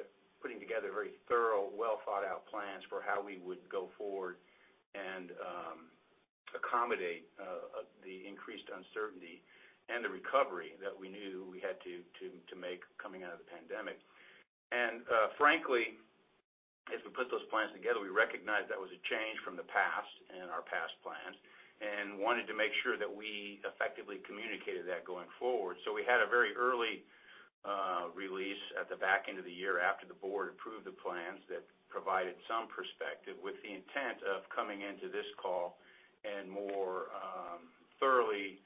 very thorough, well-thought-out plans for how we would go forward and accommodate the increased uncertainty and the recovery that we knew we had to make coming out of the pandemic. Frankly, as we put those plans together, we recognized that was a change from the past and our past plans and wanted to make sure that we effectively communicated that going forward. We had a very early release at the back end of the year after the board approved the plans that provided some perspective with the intent of coming into this call and more thoroughly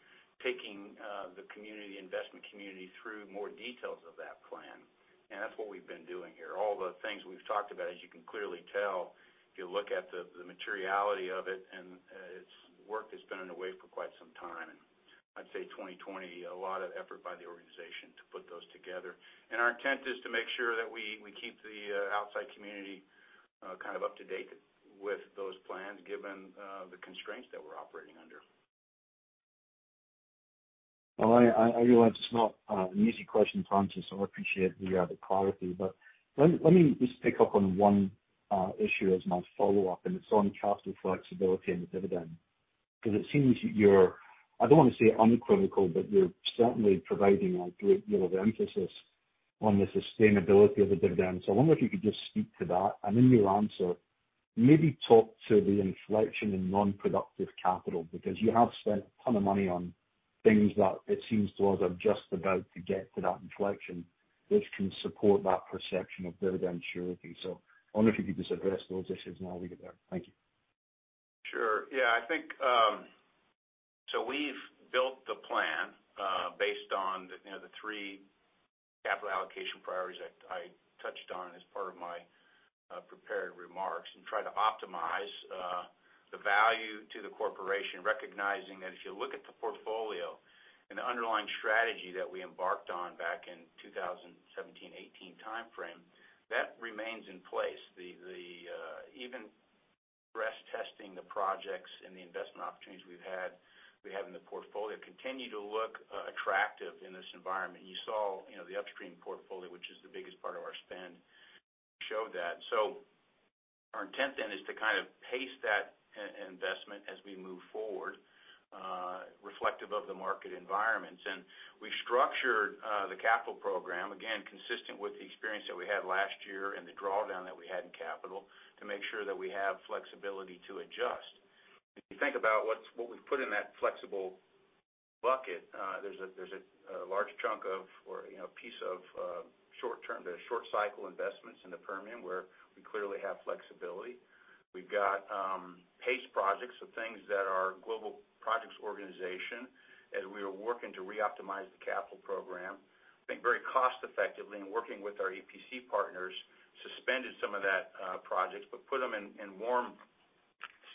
taking the investment community through more details of that plan. That's what we've been doing here. All the things we've talked about, as you can clearly tell, if you look at the materiality of it and its work that's been underway for quite some time. I'd say 2020, a lot of effort by the organization to put those together. Our intent is to make sure that we keep the outside community kind of up to date with those plans, given the constraints that we're operating under. Well, I realize it's not an easy question to answer. I appreciate the clarity. Let me just pick up on one issue as my follow-up, and it's on capital flexibility and the dividend. It seems you're, I don't want to say uncritical, but you're certainly providing a great deal of emphasis on the sustainability of the dividend. I wonder if you could just speak to that, and in your answer, maybe talk to the inflection in non-productive capital. You have spent a ton of money on things that it seems to us are just about to get to that inflection, which can support that perception of dividend surety. I wonder if you could just address those issues and I'll leave it there. Thank you. Sure. Yeah, we've built the plan based on the three capital allocation priorities that I touched on as part of my prepared remarks and tried to optimize the value to the corporation, recognizing that if you look at the portfolio and the underlying strategy that we embarked on back in 2017, 2018 timeframe, that remains in place. Even stress testing the projects and the investment opportunities we have in the portfolio continue to look attractive in this environment. You saw the upstream portfolio, which is the biggest part of our spend, show that. Our intent is to kind of pace that investment as we move forward, reflective of the market environments. We structured the capital program, again, consistent with the experience that we had last year and the drawdown that we had in capital to make sure that we have flexibility to adjust. If you think about what we've put in that flexible bucket, there's a large chunk of, or piece of short-term to short cycle investments in the Permian, where we clearly have flexibility. We've got pace projects, so things that our global projects organization, as we are working to re-optimize the capital program, I think very cost effectively and working with our EPC partners, suspended some of those projects, but put them in warm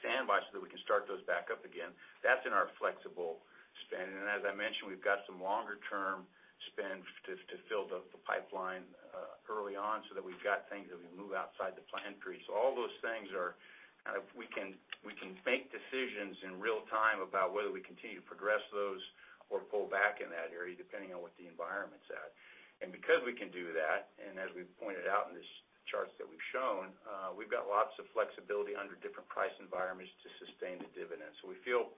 standby so that we can start those back up again. That's in our flexible spend. As I mentioned, we've got some longer-term spend to fill the pipeline early on so that we've got things that we move outside the plan B. All those things are kind of, we can make decisions in real time about whether we continue to progress those or pull back in that area, depending on what the environment's at. Because we can do that, as we pointed out in the charts that we've shown, we've got lots of flexibility under different price environments to sustain the dividend. We feel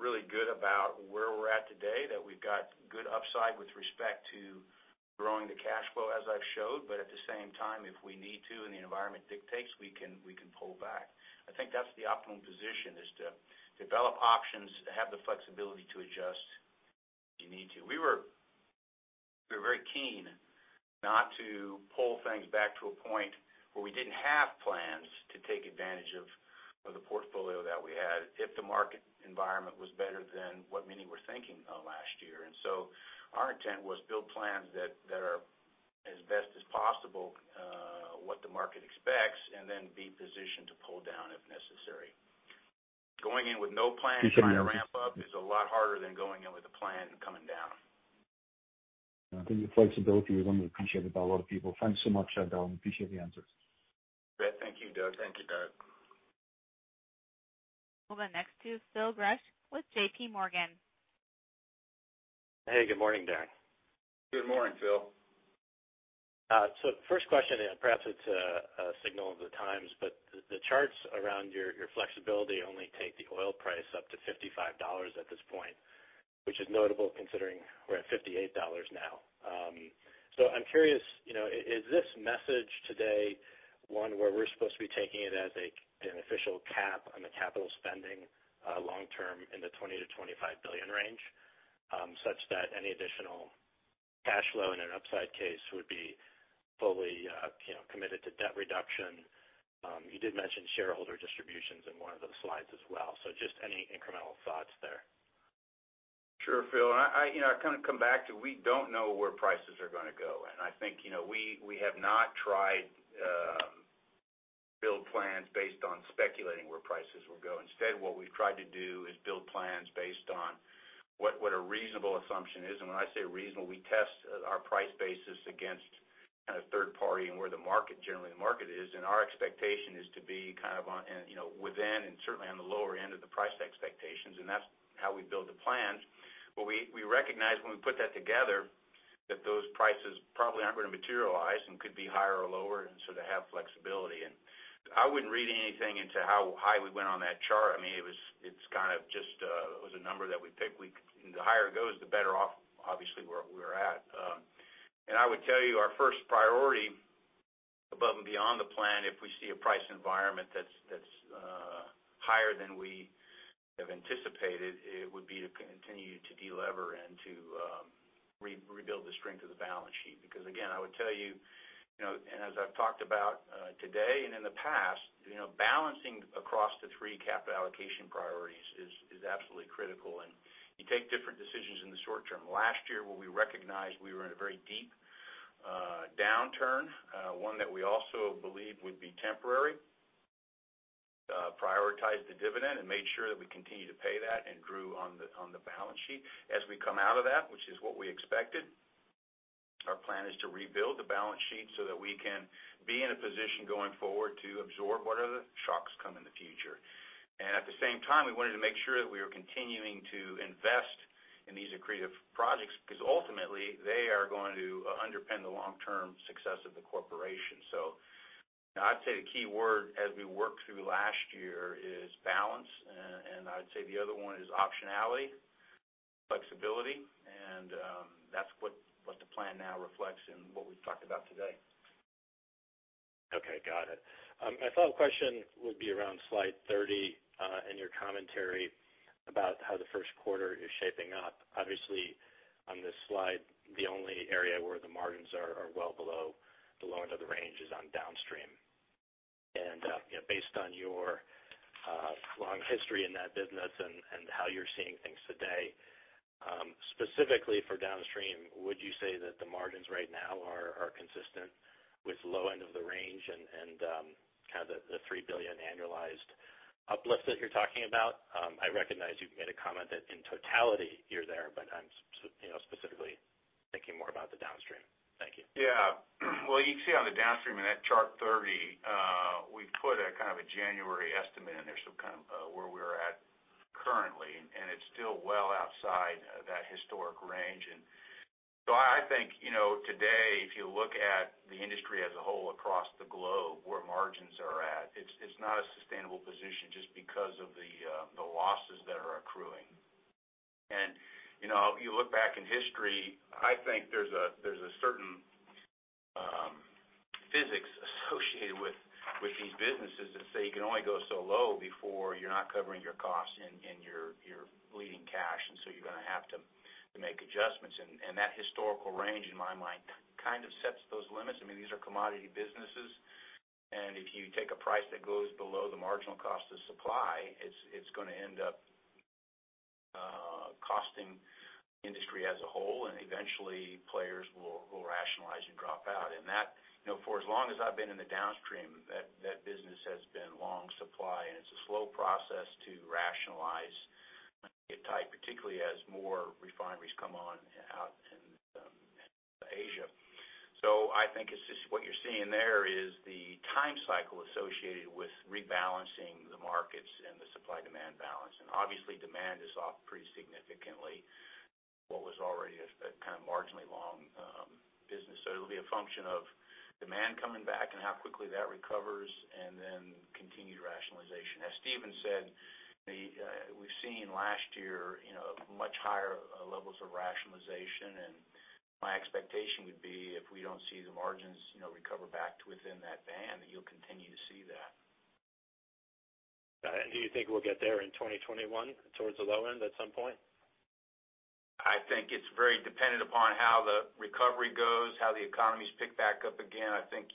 really good about where we're at today, that we've got good upside with respect to growing the cash flow as I've showed. At the same time, if we need to and the environment dictates, we can pull back. I think that's the optimum position, is to develop options, have the flexibility to adjust if you need to. We were very keen not to pull things back to a point where we didn't have plans to take advantage of the portfolio that we had if the market environment was better than what many were thinking of last year. Our intent was build plans that are as best as possible what the market expects, and then be positioned to pull down if necessary. Going in with no plan. Okay. Trying to ramp up is a lot harder than going in with a plan and coming down. I think the flexibility is one that's appreciated by a lot of people. Thanks so much, Darren. Appreciate the answers. Great. Thank you, Doug. We'll go next to Phil Gresh with JPMorgan. Hey, good morning, Darren. Good morning, Phil. First question, and perhaps it's a signal of the times, but the charts around your flexibility only take the oil price up to $55 at this point, which is notable considering we're at $58 now. I'm curious, is this message today one where we're supposed to be taking it as an official cap on the capital spending long term in the $20 billion-$25 billion range, such that any additional cash flow in an upside case would be fully committed to debt reduction? You did mention shareholder distributions in one of the slides as well. Just any incremental thoughts there? Sure, Phil. I kind of come back to we don't know where prices are going to go. I think we have not tried to build plans based on speculating where prices will go. Instead, what we've tried to do is build plans based on what a reasonable assumption is. When I say reasonable, we test our price basis against kind of third party and where the market, generally the market is. Our expectation is to be kind of within and certainly on the lower end of the price expectations, and that's how we build the plans. We recognize when we put that together that those prices probably aren't going to materialize and could be higher or lower, to have flexibility. I wouldn't read anything into how high we went on that chart. It was a number that we picked. The higher it goes, the better off obviously we're at. I would tell you our first priority above and beyond the plan, if we see a price environment that's higher than we have anticipated, it would be to continue to de-lever and to rebuild the strength of the balance sheet. Again, I would tell you, and as I've talked about today and in the past, balancing across the three capital allocation priorities is absolutely critical, and you take different decisions in the short term. Last year, where we recognized we were in a very deep downturn, one that we also believed would be temporary, prioritize the dividend and made sure that we continue to pay that and grew on the balance sheet. As we come out of that, which is what we expected, our plan is to rebuild the balance sheet so that we can be in a position going forward to absorb whatever shocks come in the future. At the same time, we wanted to make sure that we were continuing to invest in these accretive projects, because ultimately they are going to underpin the long-term success of the corporation. I'd say the key word as we work through last year is balance, and I'd say the other one is optionality, flexibility, and that's what the plan now reflects and what we've talked about today. Okay, got it. My follow-up question would be around slide 30, in your commentary about how the first quarter is shaping up. Obviously, on this slide, the only area where the margins are well below the lower end of the range is on downstream. Based on your long history in that business and how you're seeing things today, specifically for downstream, would you say that the margins right now are consistent with low end of the range and the $3 billion annualized uplift that you're talking about? I recognize you've made a comment that in totality you're there, but I'm specifically thinking more about the downstream. Thank you. Yeah. Well, you can see on the downstream in that chart 30, we've put a kind of a January estimate in there, so kind of where we're at currently, and it's still well outside that historic range. I think, today, if you look at the industry as a whole across the globe, where margins are at, it's not a sustainable position just because of the losses that are accruing. You look back in history, I think there's a certain physics associated with these businesses that say you can only go so low before you're not covering your costs and you're bleeding cash, you're going to have to make adjustments. That historical range in my mind kind of sets those limits. I mean, these are commodity businesses, and if you take a price that goes below the marginal cost of supply, it's going to end up costing industry as a whole, and eventually players will rationalize and drop out. That, for as long as I've been in the downstream, that business has been long supply and it's a slow process to rationalize it tight, particularly as more refineries come on out in Asia. I think it's just what you're seeing there is the time cycle associated with rebalancing the markets and the supply-demand balance. Obviously, demand is off pretty significantly what was already a kind of marginally long business. It'll be a function of demand coming back and how quickly that recovers, and then continued rationalization. As Stephen said, we've seen last year much higher levels of rationalization, and my expectation would be if we don't see the margins recover back to within that band, that you'll continue to see that. Got it. Do you think we'll get there in 2021 towards the low end at some point? I think it's very dependent upon how the recovery goes, how the economies pick back up again. I think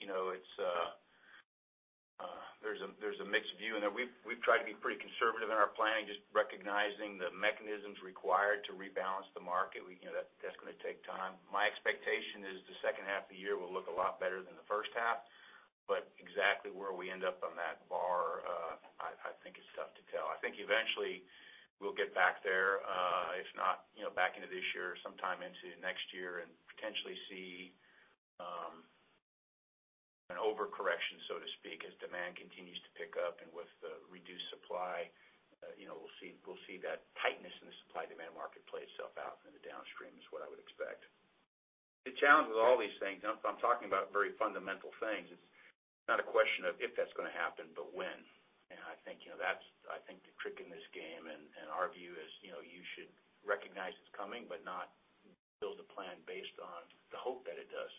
there's a mixed view in there. We've tried to be pretty conservative in our planning, just recognizing the mechanisms required to rebalance the market. That's going to take time. My expectation is the second half of the year will look a lot better than the first half. Exactly where we end up on that bar, I think is tough to tell. I think eventually we'll get back there. If not back end of this year, sometime into next year and potentially see an overcorrection, so to speak, as demand continues to pick up and with the reduced supply. We'll see that tightness in the supply-demand market play itself out into the downstream is what I would expect. The challenge with all these things, I'm talking about very fundamental things. It's not a question of if that's going to happen, but when. I think that's the trick in this game, and our view is you should recognize it's coming, but not build a plan based on the hope that it does.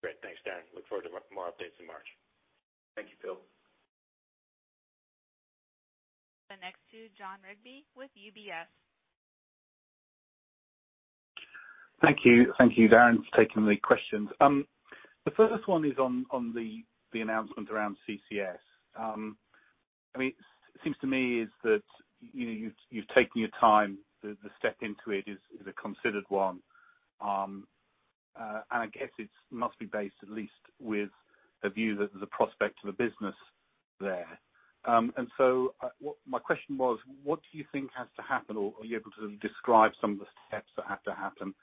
Great. Thanks, Darren. Look forward to more updates in March. Thank you, Phil. The next to Jon Rigby with UBS. Thank you, Darren, for taking the questions. The first one is on the announcement around CCS. It seems to me is that you've taken your time, the step into it is a considered one. I guess it must be based at least with the view that there's a prospect of a business there. My question was, what do you think has to happen, or are you able to describe some of the steps that have to happen,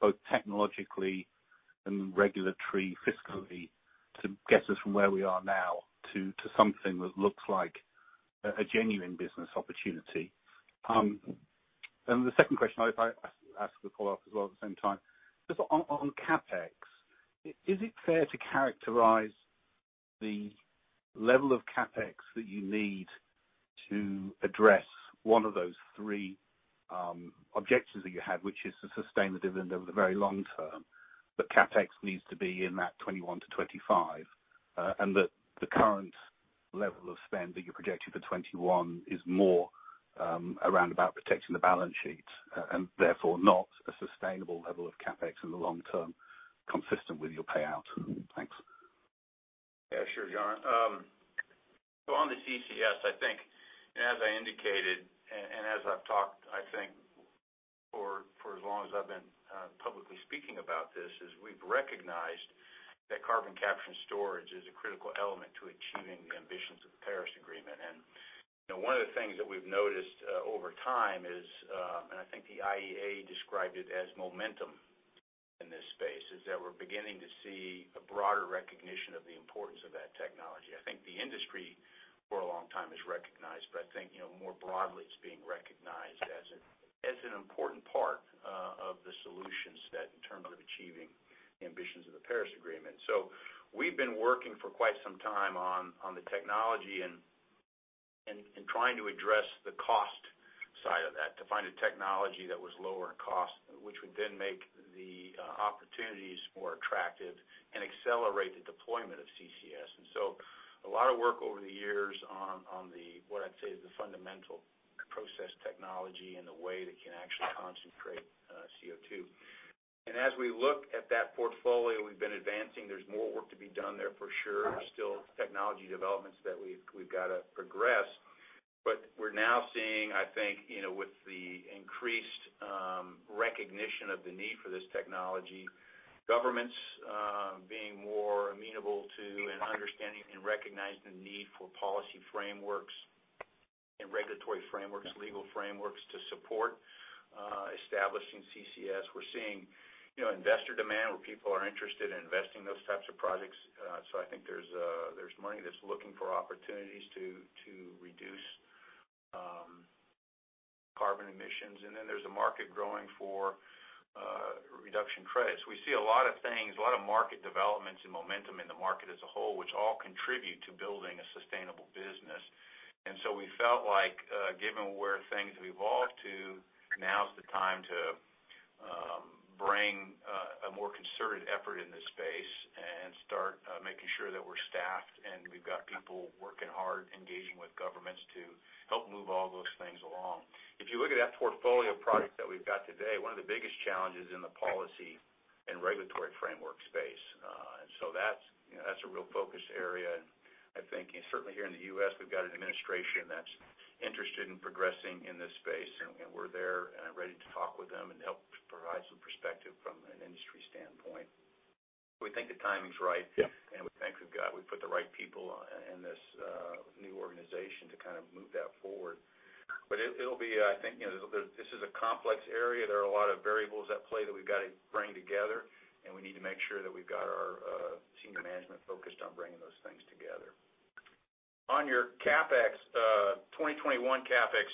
both technologically and regulatory, fiscally, to get us from where we are now to something that looks like a genuine business opportunity? The second question, if I ask the follow-up as well at the same time, just on CapEx, is it fair to characterize the level of CapEx that you need to address one of those three objectives that you had, which is to sustain the dividend over the very long term, but CapEx needs to be in that $21-$25, and that the current level of spend that you're projecting for 2021 is more around about protecting the balance sheet and therefore not a sustainable level of CapEx in the long term consistent with your payout? Thanks. Yeah, sure, Jon. On the CCS, I think as I indicated, and as I've talked I think for as long as I've been publicly speaking about this, is we've recognized that carbon capture and storage is a critical element to achieving the ambitions of the Paris Agreement. One of the things that we've noticed over time is, and I think the IEA described it as momentum in this space, is that we're beginning to see a broader recognition of the importance of that technology. I think the industry for a long time, it's recognized, but I think more broadly, it's being recognized as an important part of the solution set in terms of achieving the ambitions of the Paris Agreement. We've been working for quite some time on the technology and trying to address the cost side of that, to find a technology that was lower in cost, which would then make the opportunities more attractive and accelerate the deployment of CCS. A lot of work over the years on what I'd say is the fundamental process technology and the way that can actually concentrate CO2. As we look at that portfolio we've been advancing, there's more work to be done there for sure. There's still technology developments that we've got to progress, but we're now seeing, I think, with the increased recognition of the need for this technology, governments being more amenable to and understanding and recognizing the need for policy frameworks and regulatory frameworks, legal frameworks to support establishing CCS. We're seeing investor demand where people are interested in investing those types of projects. I think there's money that's looking for opportunities to reduce carbon emissions. Then there's a market growing for reduction credits. We see a lot of things, a lot of market developments and momentum in the market as a whole, which all contribute to building a sustainable business. We felt like given where things have evolved to, now's the time to bring a more concerted effort in this space and start making sure that we're staffed and we've got people working hard, engaging with governments to help move all those things along. If you look at that portfolio of products that we've got today, one of the biggest challenges is in the policy and regulatory framework space. That's a real focus area. I think certainly here in the U.S., we've got an administration that's interested in progressing in this space, and we're there and ready to talk with them and help provide some perspective from an industry standpoint. We think the timing's right. Yeah. We think we've put the right people in this new organization to move that forward. I think this is a complex area. There are a lot of variables at play that we've got to bring together, and we need to make sure that we've got our senior management focused on bringing those things together. On your CapEx, 2021 CapEx,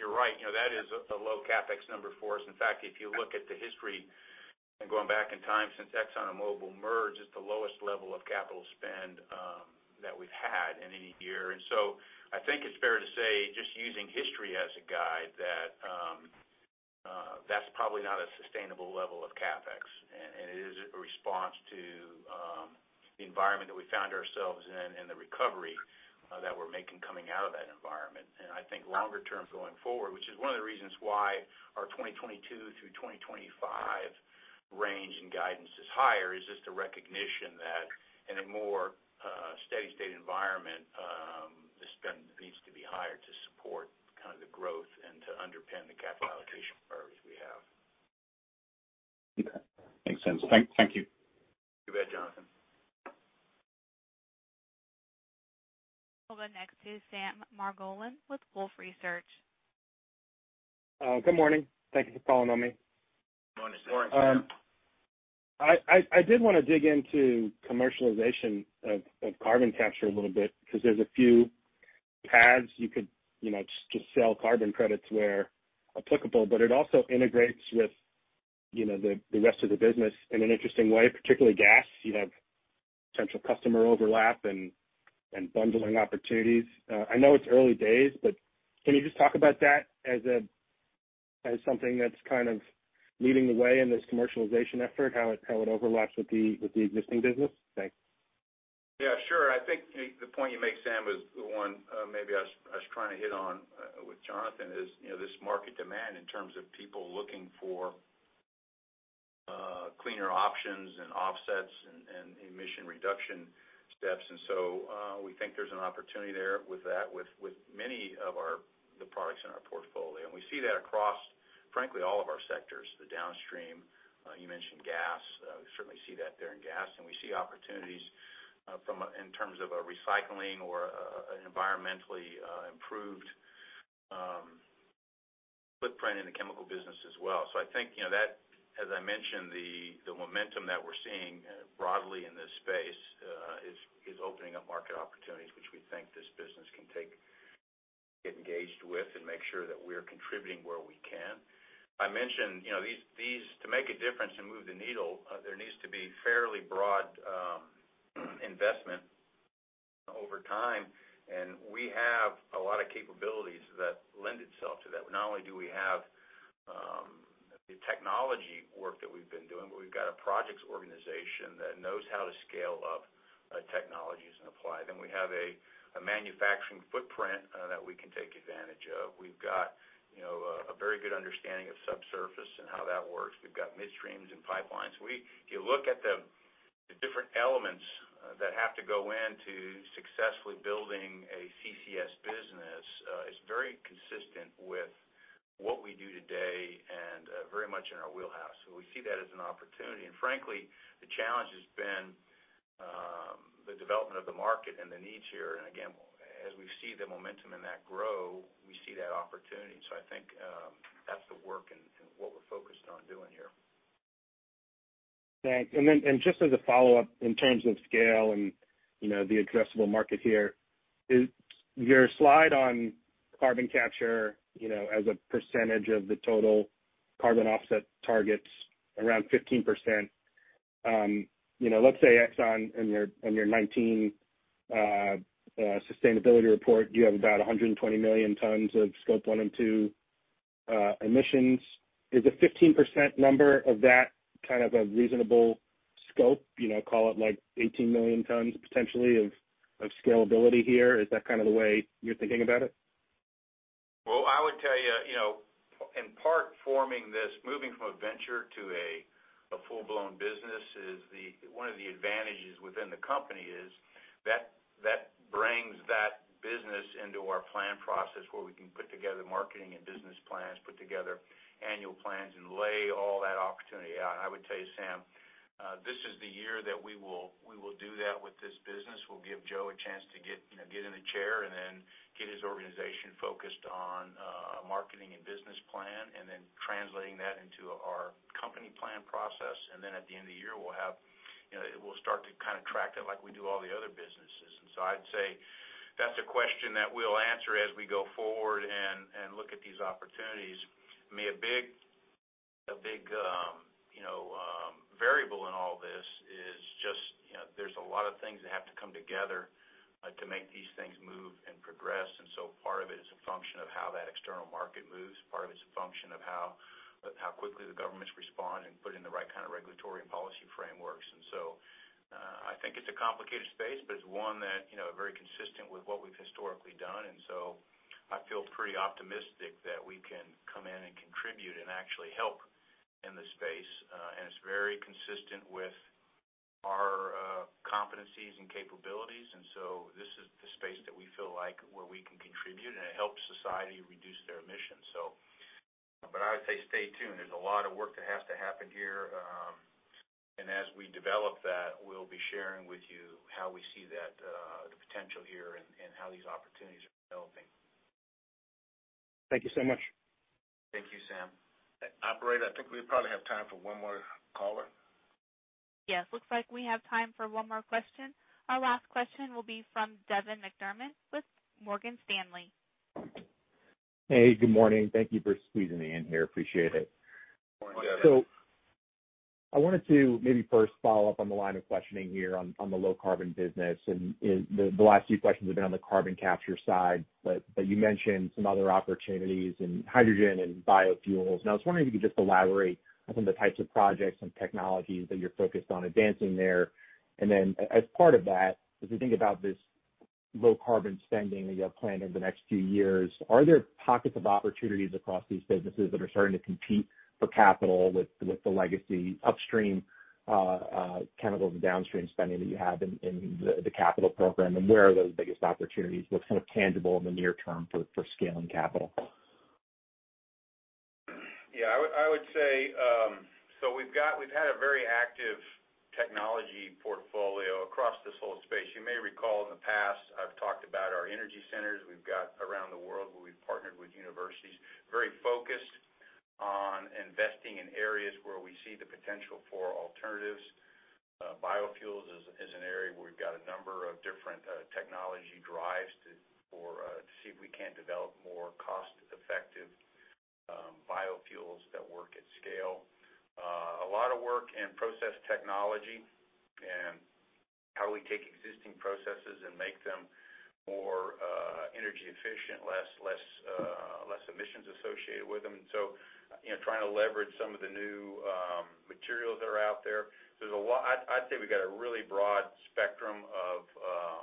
you're right. That is a low CapEx number for us. In fact, if you look at the history and going back in time since ExxonMobil merged, it's the lowest level of capital spend that we've had in a year. I think it's fair to say, just using history as a guide, that's probably not a sustainable level of CapEx. It is a response to the environment that we found ourselves in and the recovery that we're making coming out of that environment. I think longer term going forward, which is one of the reasons why our 2022 through 2025 range in guidance is higher, is just a recognition that in a more steady-state environment the spend needs to be higher to support the growth and to underpin the capital allocation priorities we have. Okay. Makes sense. Thank you. You bet, Jon Rigby. We'll go next to Sam Margolin with Wolfe Research. Good morning. Thank you for calling on me. Morning, Sam. Morning. I did want to dig into commercialization of carbon capture a little bit because there's a few paths you could just sell carbon credits where applicable, but it also integrates with the rest of the business in an interesting way, particularly gas. You have potential customer overlap and bundling opportunities. I know it's early days, can you just talk about that as something that's kind of leading the way in this commercialization effort, how it overlaps with the existing business? Thanks. Yeah, sure. I think the point you make, Sam, is the one maybe I was trying to hit on with Jon Rigby is this market demand in terms of people looking for cleaner options and offsets and emission reduction steps. We think there's an opportunity there with that, with many of the products in our portfolio. We see that across, frankly, all of our sectors, the downstream. You mentioned gas. We certainly see that there in gas, and we see opportunities in terms of a recycling or an environmentally improved footprint in the chemical business as well. I think that, as I mentioned, the momentum that we're seeing broadly in this space is opening up market opportunities which we think this business can take, get engaged with, and make sure that we're contributing where we can. I mentioned to make a difference and move the needle, there needs to be fairly broad investment over time. We have a lot of capabilities that lend itself to that. Not only do we have the technology work that we've been doing, we've got a projects organization that knows how to scale up technologies and apply them. We have a manufacturing footprint that we can take advantage of. We've got a very good understanding of subsurface and how that works. We've got midstreams and pipelines. If you look at the different elements that have to go into successfully building a CCS business, it's very consistent with what we do today and very much in our wheelhouse. We see that as an opportunity. Frankly, the challenge has been the development of the market and the needs here. Again, as we see the momentum in that grow, we see that opportunity. I think that's the work and what we're focused on doing here. Thanks. Then just as a follow-up in terms of scale and the addressable market here, your slide on carbon capture as a percentage of the total carbon offset targets around 15%. Let's say Exxon, in your 2019 sustainability report, you have about 120 million tons of scope one and two emissions. Is a 15% number of that kind of a reasonable scope? Call it 18 million tons potentially of scalability here. Is that kind of the way you're thinking about it? I would tell you, in part, forming this, moving from a venture to a full-blown business is one of the advantages within the company is that brings that business into our plan process where we can put together marketing and business plans, put together annual plans, and lay all that opportunity out. I would tell you, Sam, this is the year that we will do that with this business. We'll give Joe a chance to get in the chair and then get his organization focused on marketing and business plan, and then translating that into our company plan process. At the end of the year, we'll start to track that like we do all the other businesses. I'd say that's a question that we'll answer as we go forward and look at these opportunities. I mean, a big variable in all of this is just there's a lot of things that have to come together to make these things move and progress. Part of it is a function of how that external market moves. Part of it's a function of how quickly the governments respond and put in the right kind of regulatory and policy frameworks. I think it's a complicated space, but it's one that very consistent with what we've historically done. I feel pretty optimistic that we can come in and contribute and actually help in this space. It's very consistent with our competencies and capabilities. This is the space that we feel like where we can contribute and it helps society reduce their emissions, so. I would say stay tuned. There's a lot of work that has to happen here. As we develop that, we'll be sharing with you how we see that, the potential here and how these opportunities are developing. Thank you so much. Thank you, Sam. Operator, I think we probably have time for one more caller. Yes. Looks like we have time for one more question. Our last question will be from Devin McDermott with Morgan Stanley. Hey, good morning. Thank you for squeezing me in here. Appreciate it. Morning, Devin. I wanted to maybe first follow up on the line of questioning here on the low-carbon business, and the last few questions have been on the carbon capture side, but you mentioned some other opportunities in hydrogen and biofuels. I was wondering if you could just elaborate on some of the types of projects and technologies that you're focused on advancing there. As part of that, as we think about this low-carbon spending that you have planned over the next few years, are there pockets of opportunities across these businesses that are starting to compete for capital with the legacy upstream chemicals and downstream spending that you have in the capital program? Where are those biggest opportunities, what's kind of tangible in the near term for scaling capital? Yeah, I would say, we've had a very active technology portfolio across this whole space. You may recall in the past, I've talked about our energy centers we've got around the world where we've partnered with universities, very focused on investing in areas where we see the potential for alternatives. Biofuels is an area where we've got a number of different technology drives to see if we can't develop more cost-effective biofuels that work at scale. A lot of work in process technology and how we take existing processes and make them more energy efficient, less emissions associated with them. Trying to leverage some of the new materials that are out there. I'd say we've got a really broad spectrum of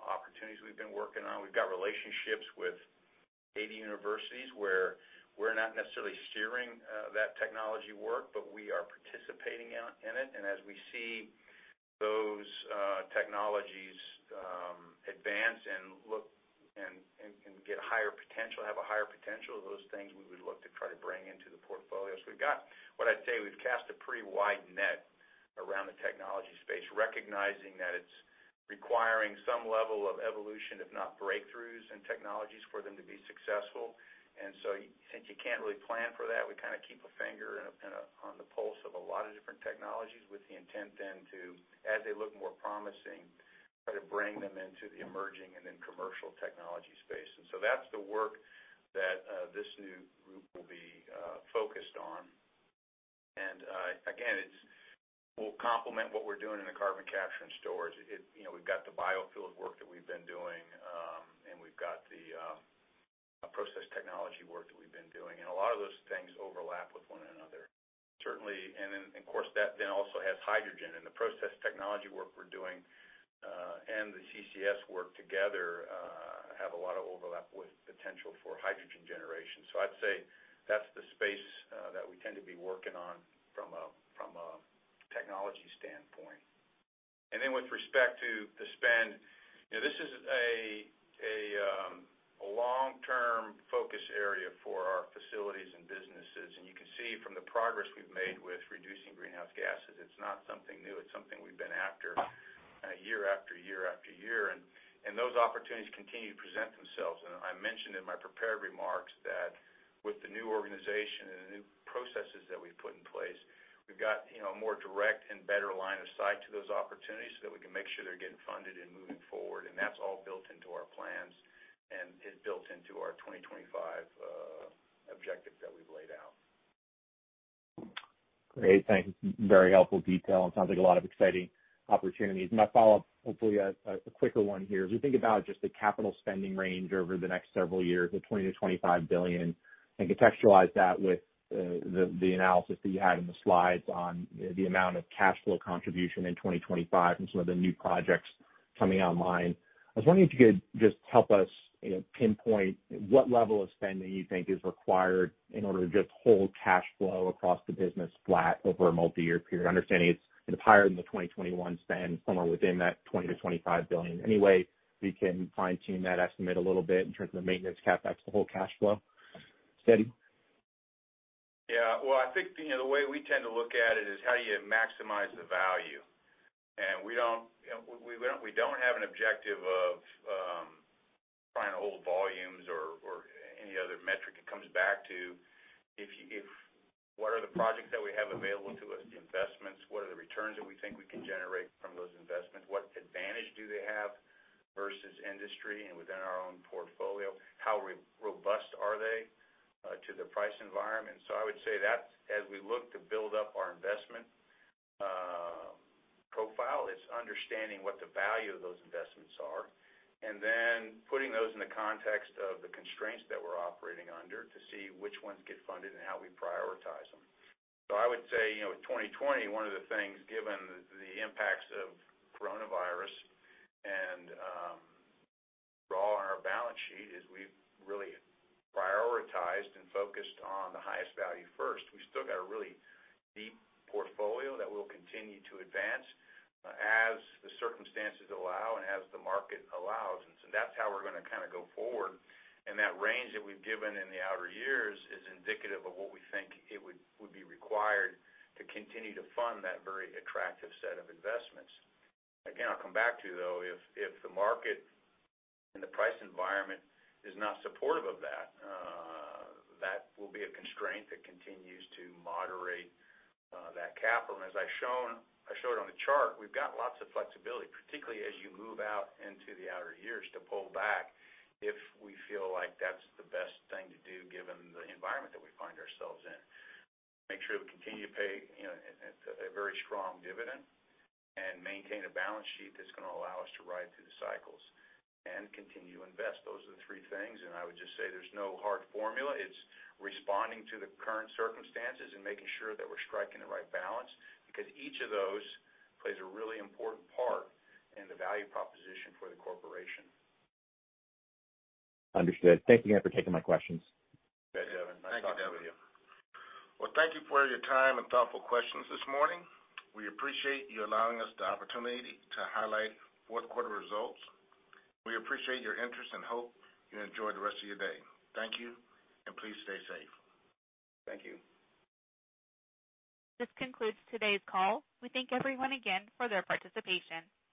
opportunities we've been working on. We've got relationships with 80 universities where we're not necessarily steering that technology work, but we are participating in it. As we see those technologies advance and have a higher potential, those things we would look to try to bring into the portfolio. We've got what I'd say we've cast a pretty wide net around the technology space, recognizing that it's requiring some level of evolution, if not breakthroughs in technologies for them to be successful. Since you can't really plan for that, we kind of keep a finger on the pulse of a lot of different technologies with the intent then to, as they look more promising, try to bring them into the emerging and then commercial technology space. That's the work that this new group will be focused on. Again, it will complement what we're doing in the carbon capture and storage. We've got the biofuels work that we've been doing, and we've got the process technology work that we've been doing. A lot of those things overlap with one another. Certainly, of course, that then also has hydrogen and the process technology work we're doing, and the CCS work together have a lot of overlap with potential for hydrogen generation. I'd say that's the space that we tend to be working on from a technology standpoint. With respect to the spend, this is a long-term focus area for our facilities and businesses. You can see from the progress we've made with reducing greenhouse gases, it's not something new year after year. Those opportunities continue to present themselves. I mentioned in my prepared remarks that with the new organization and the new processes that we've put in place, we've got more direct and better line of sight to those opportunities so that we can make sure they're getting funded and moving forward, and that's all built into our plans and is built into our 2025 objectives that we've laid out. Great, thanks. Very helpful detail, and sounds like a lot of exciting opportunities. My follow-up, hopefully, a quicker one here. As we think about just the capital spending range over the next several years of $20 billion-$25 billion, and contextualize that with the analysis that you had in the slides on the amount of cash flow contribution in 2025 and some of the new projects coming online, I was wondering if you could just help us pinpoint what level of spending you think is required in order to just hold cash flow across the business flat over a multi-year period. Understanding it's higher than the 2021 spend, somewhere within that $20 billion-$25 billion. Any way we can fine-tune that estimate a little bit in terms of the maintenance CapEx to hold cash flow steady? Yeah. Well, I think the way we tend to look at it is how do you maximize the value? We don't have an objective of trying to hold volumes or any other metric. It comes back to what are the projects that we have available to us, the investments. What are the returns that we think we can generate from those investments? What advantage do they have versus industry and within our own portfolio? How robust are they to the price environment? I would say that as we look to build up our investment profile, it's understanding what the value of those investments are, and then putting those in the context of the constraints that we're operating under to see which ones get funded and how we prioritize them. I would say, in 2020, one of the things, given the impacts of coronavirus and raw on our balance sheet, is we've really prioritized and focused on the highest value first. We've still got a really deep portfolio that we'll continue to advance as the circumstances allow and as the market allows, that's how we're going to kind of go forward. That range that we've given in the outer years is indicative of what we think would be required to continue to fund that very attractive set of investments. I'll come back to, though, if the market and the price environment is not supportive of that will be a constraint that continues to moderate that capital. As I showed on the chart, we've got lots of flexibility, particularly as you move out into the outer years, to pull back if we feel like that's the best thing to do given the environment that we find ourselves in. Make sure we continue to pay a very strong dividend and maintain a balance sheet that's going to allow us to ride through the cycles and continue to invest. Those are the three things, and I would just say there's no hard formula. It's responding to the current circumstances and making sure that we're striking the right balance, because each of those plays a really important part in the value proposition for the corporation. Understood. Thank you again for taking my questions. Okay, Devin. Nice talking to you. Thank you, Devin. Well, thank you for your time and thoughtful questions this morning. We appreciate you allowing us the opportunity to highlight fourth quarter results. We appreciate your interest and hope you enjoy the rest of your day. Thank you, and please stay safe. Thank you. This concludes today's call. We thank everyone again for their participation.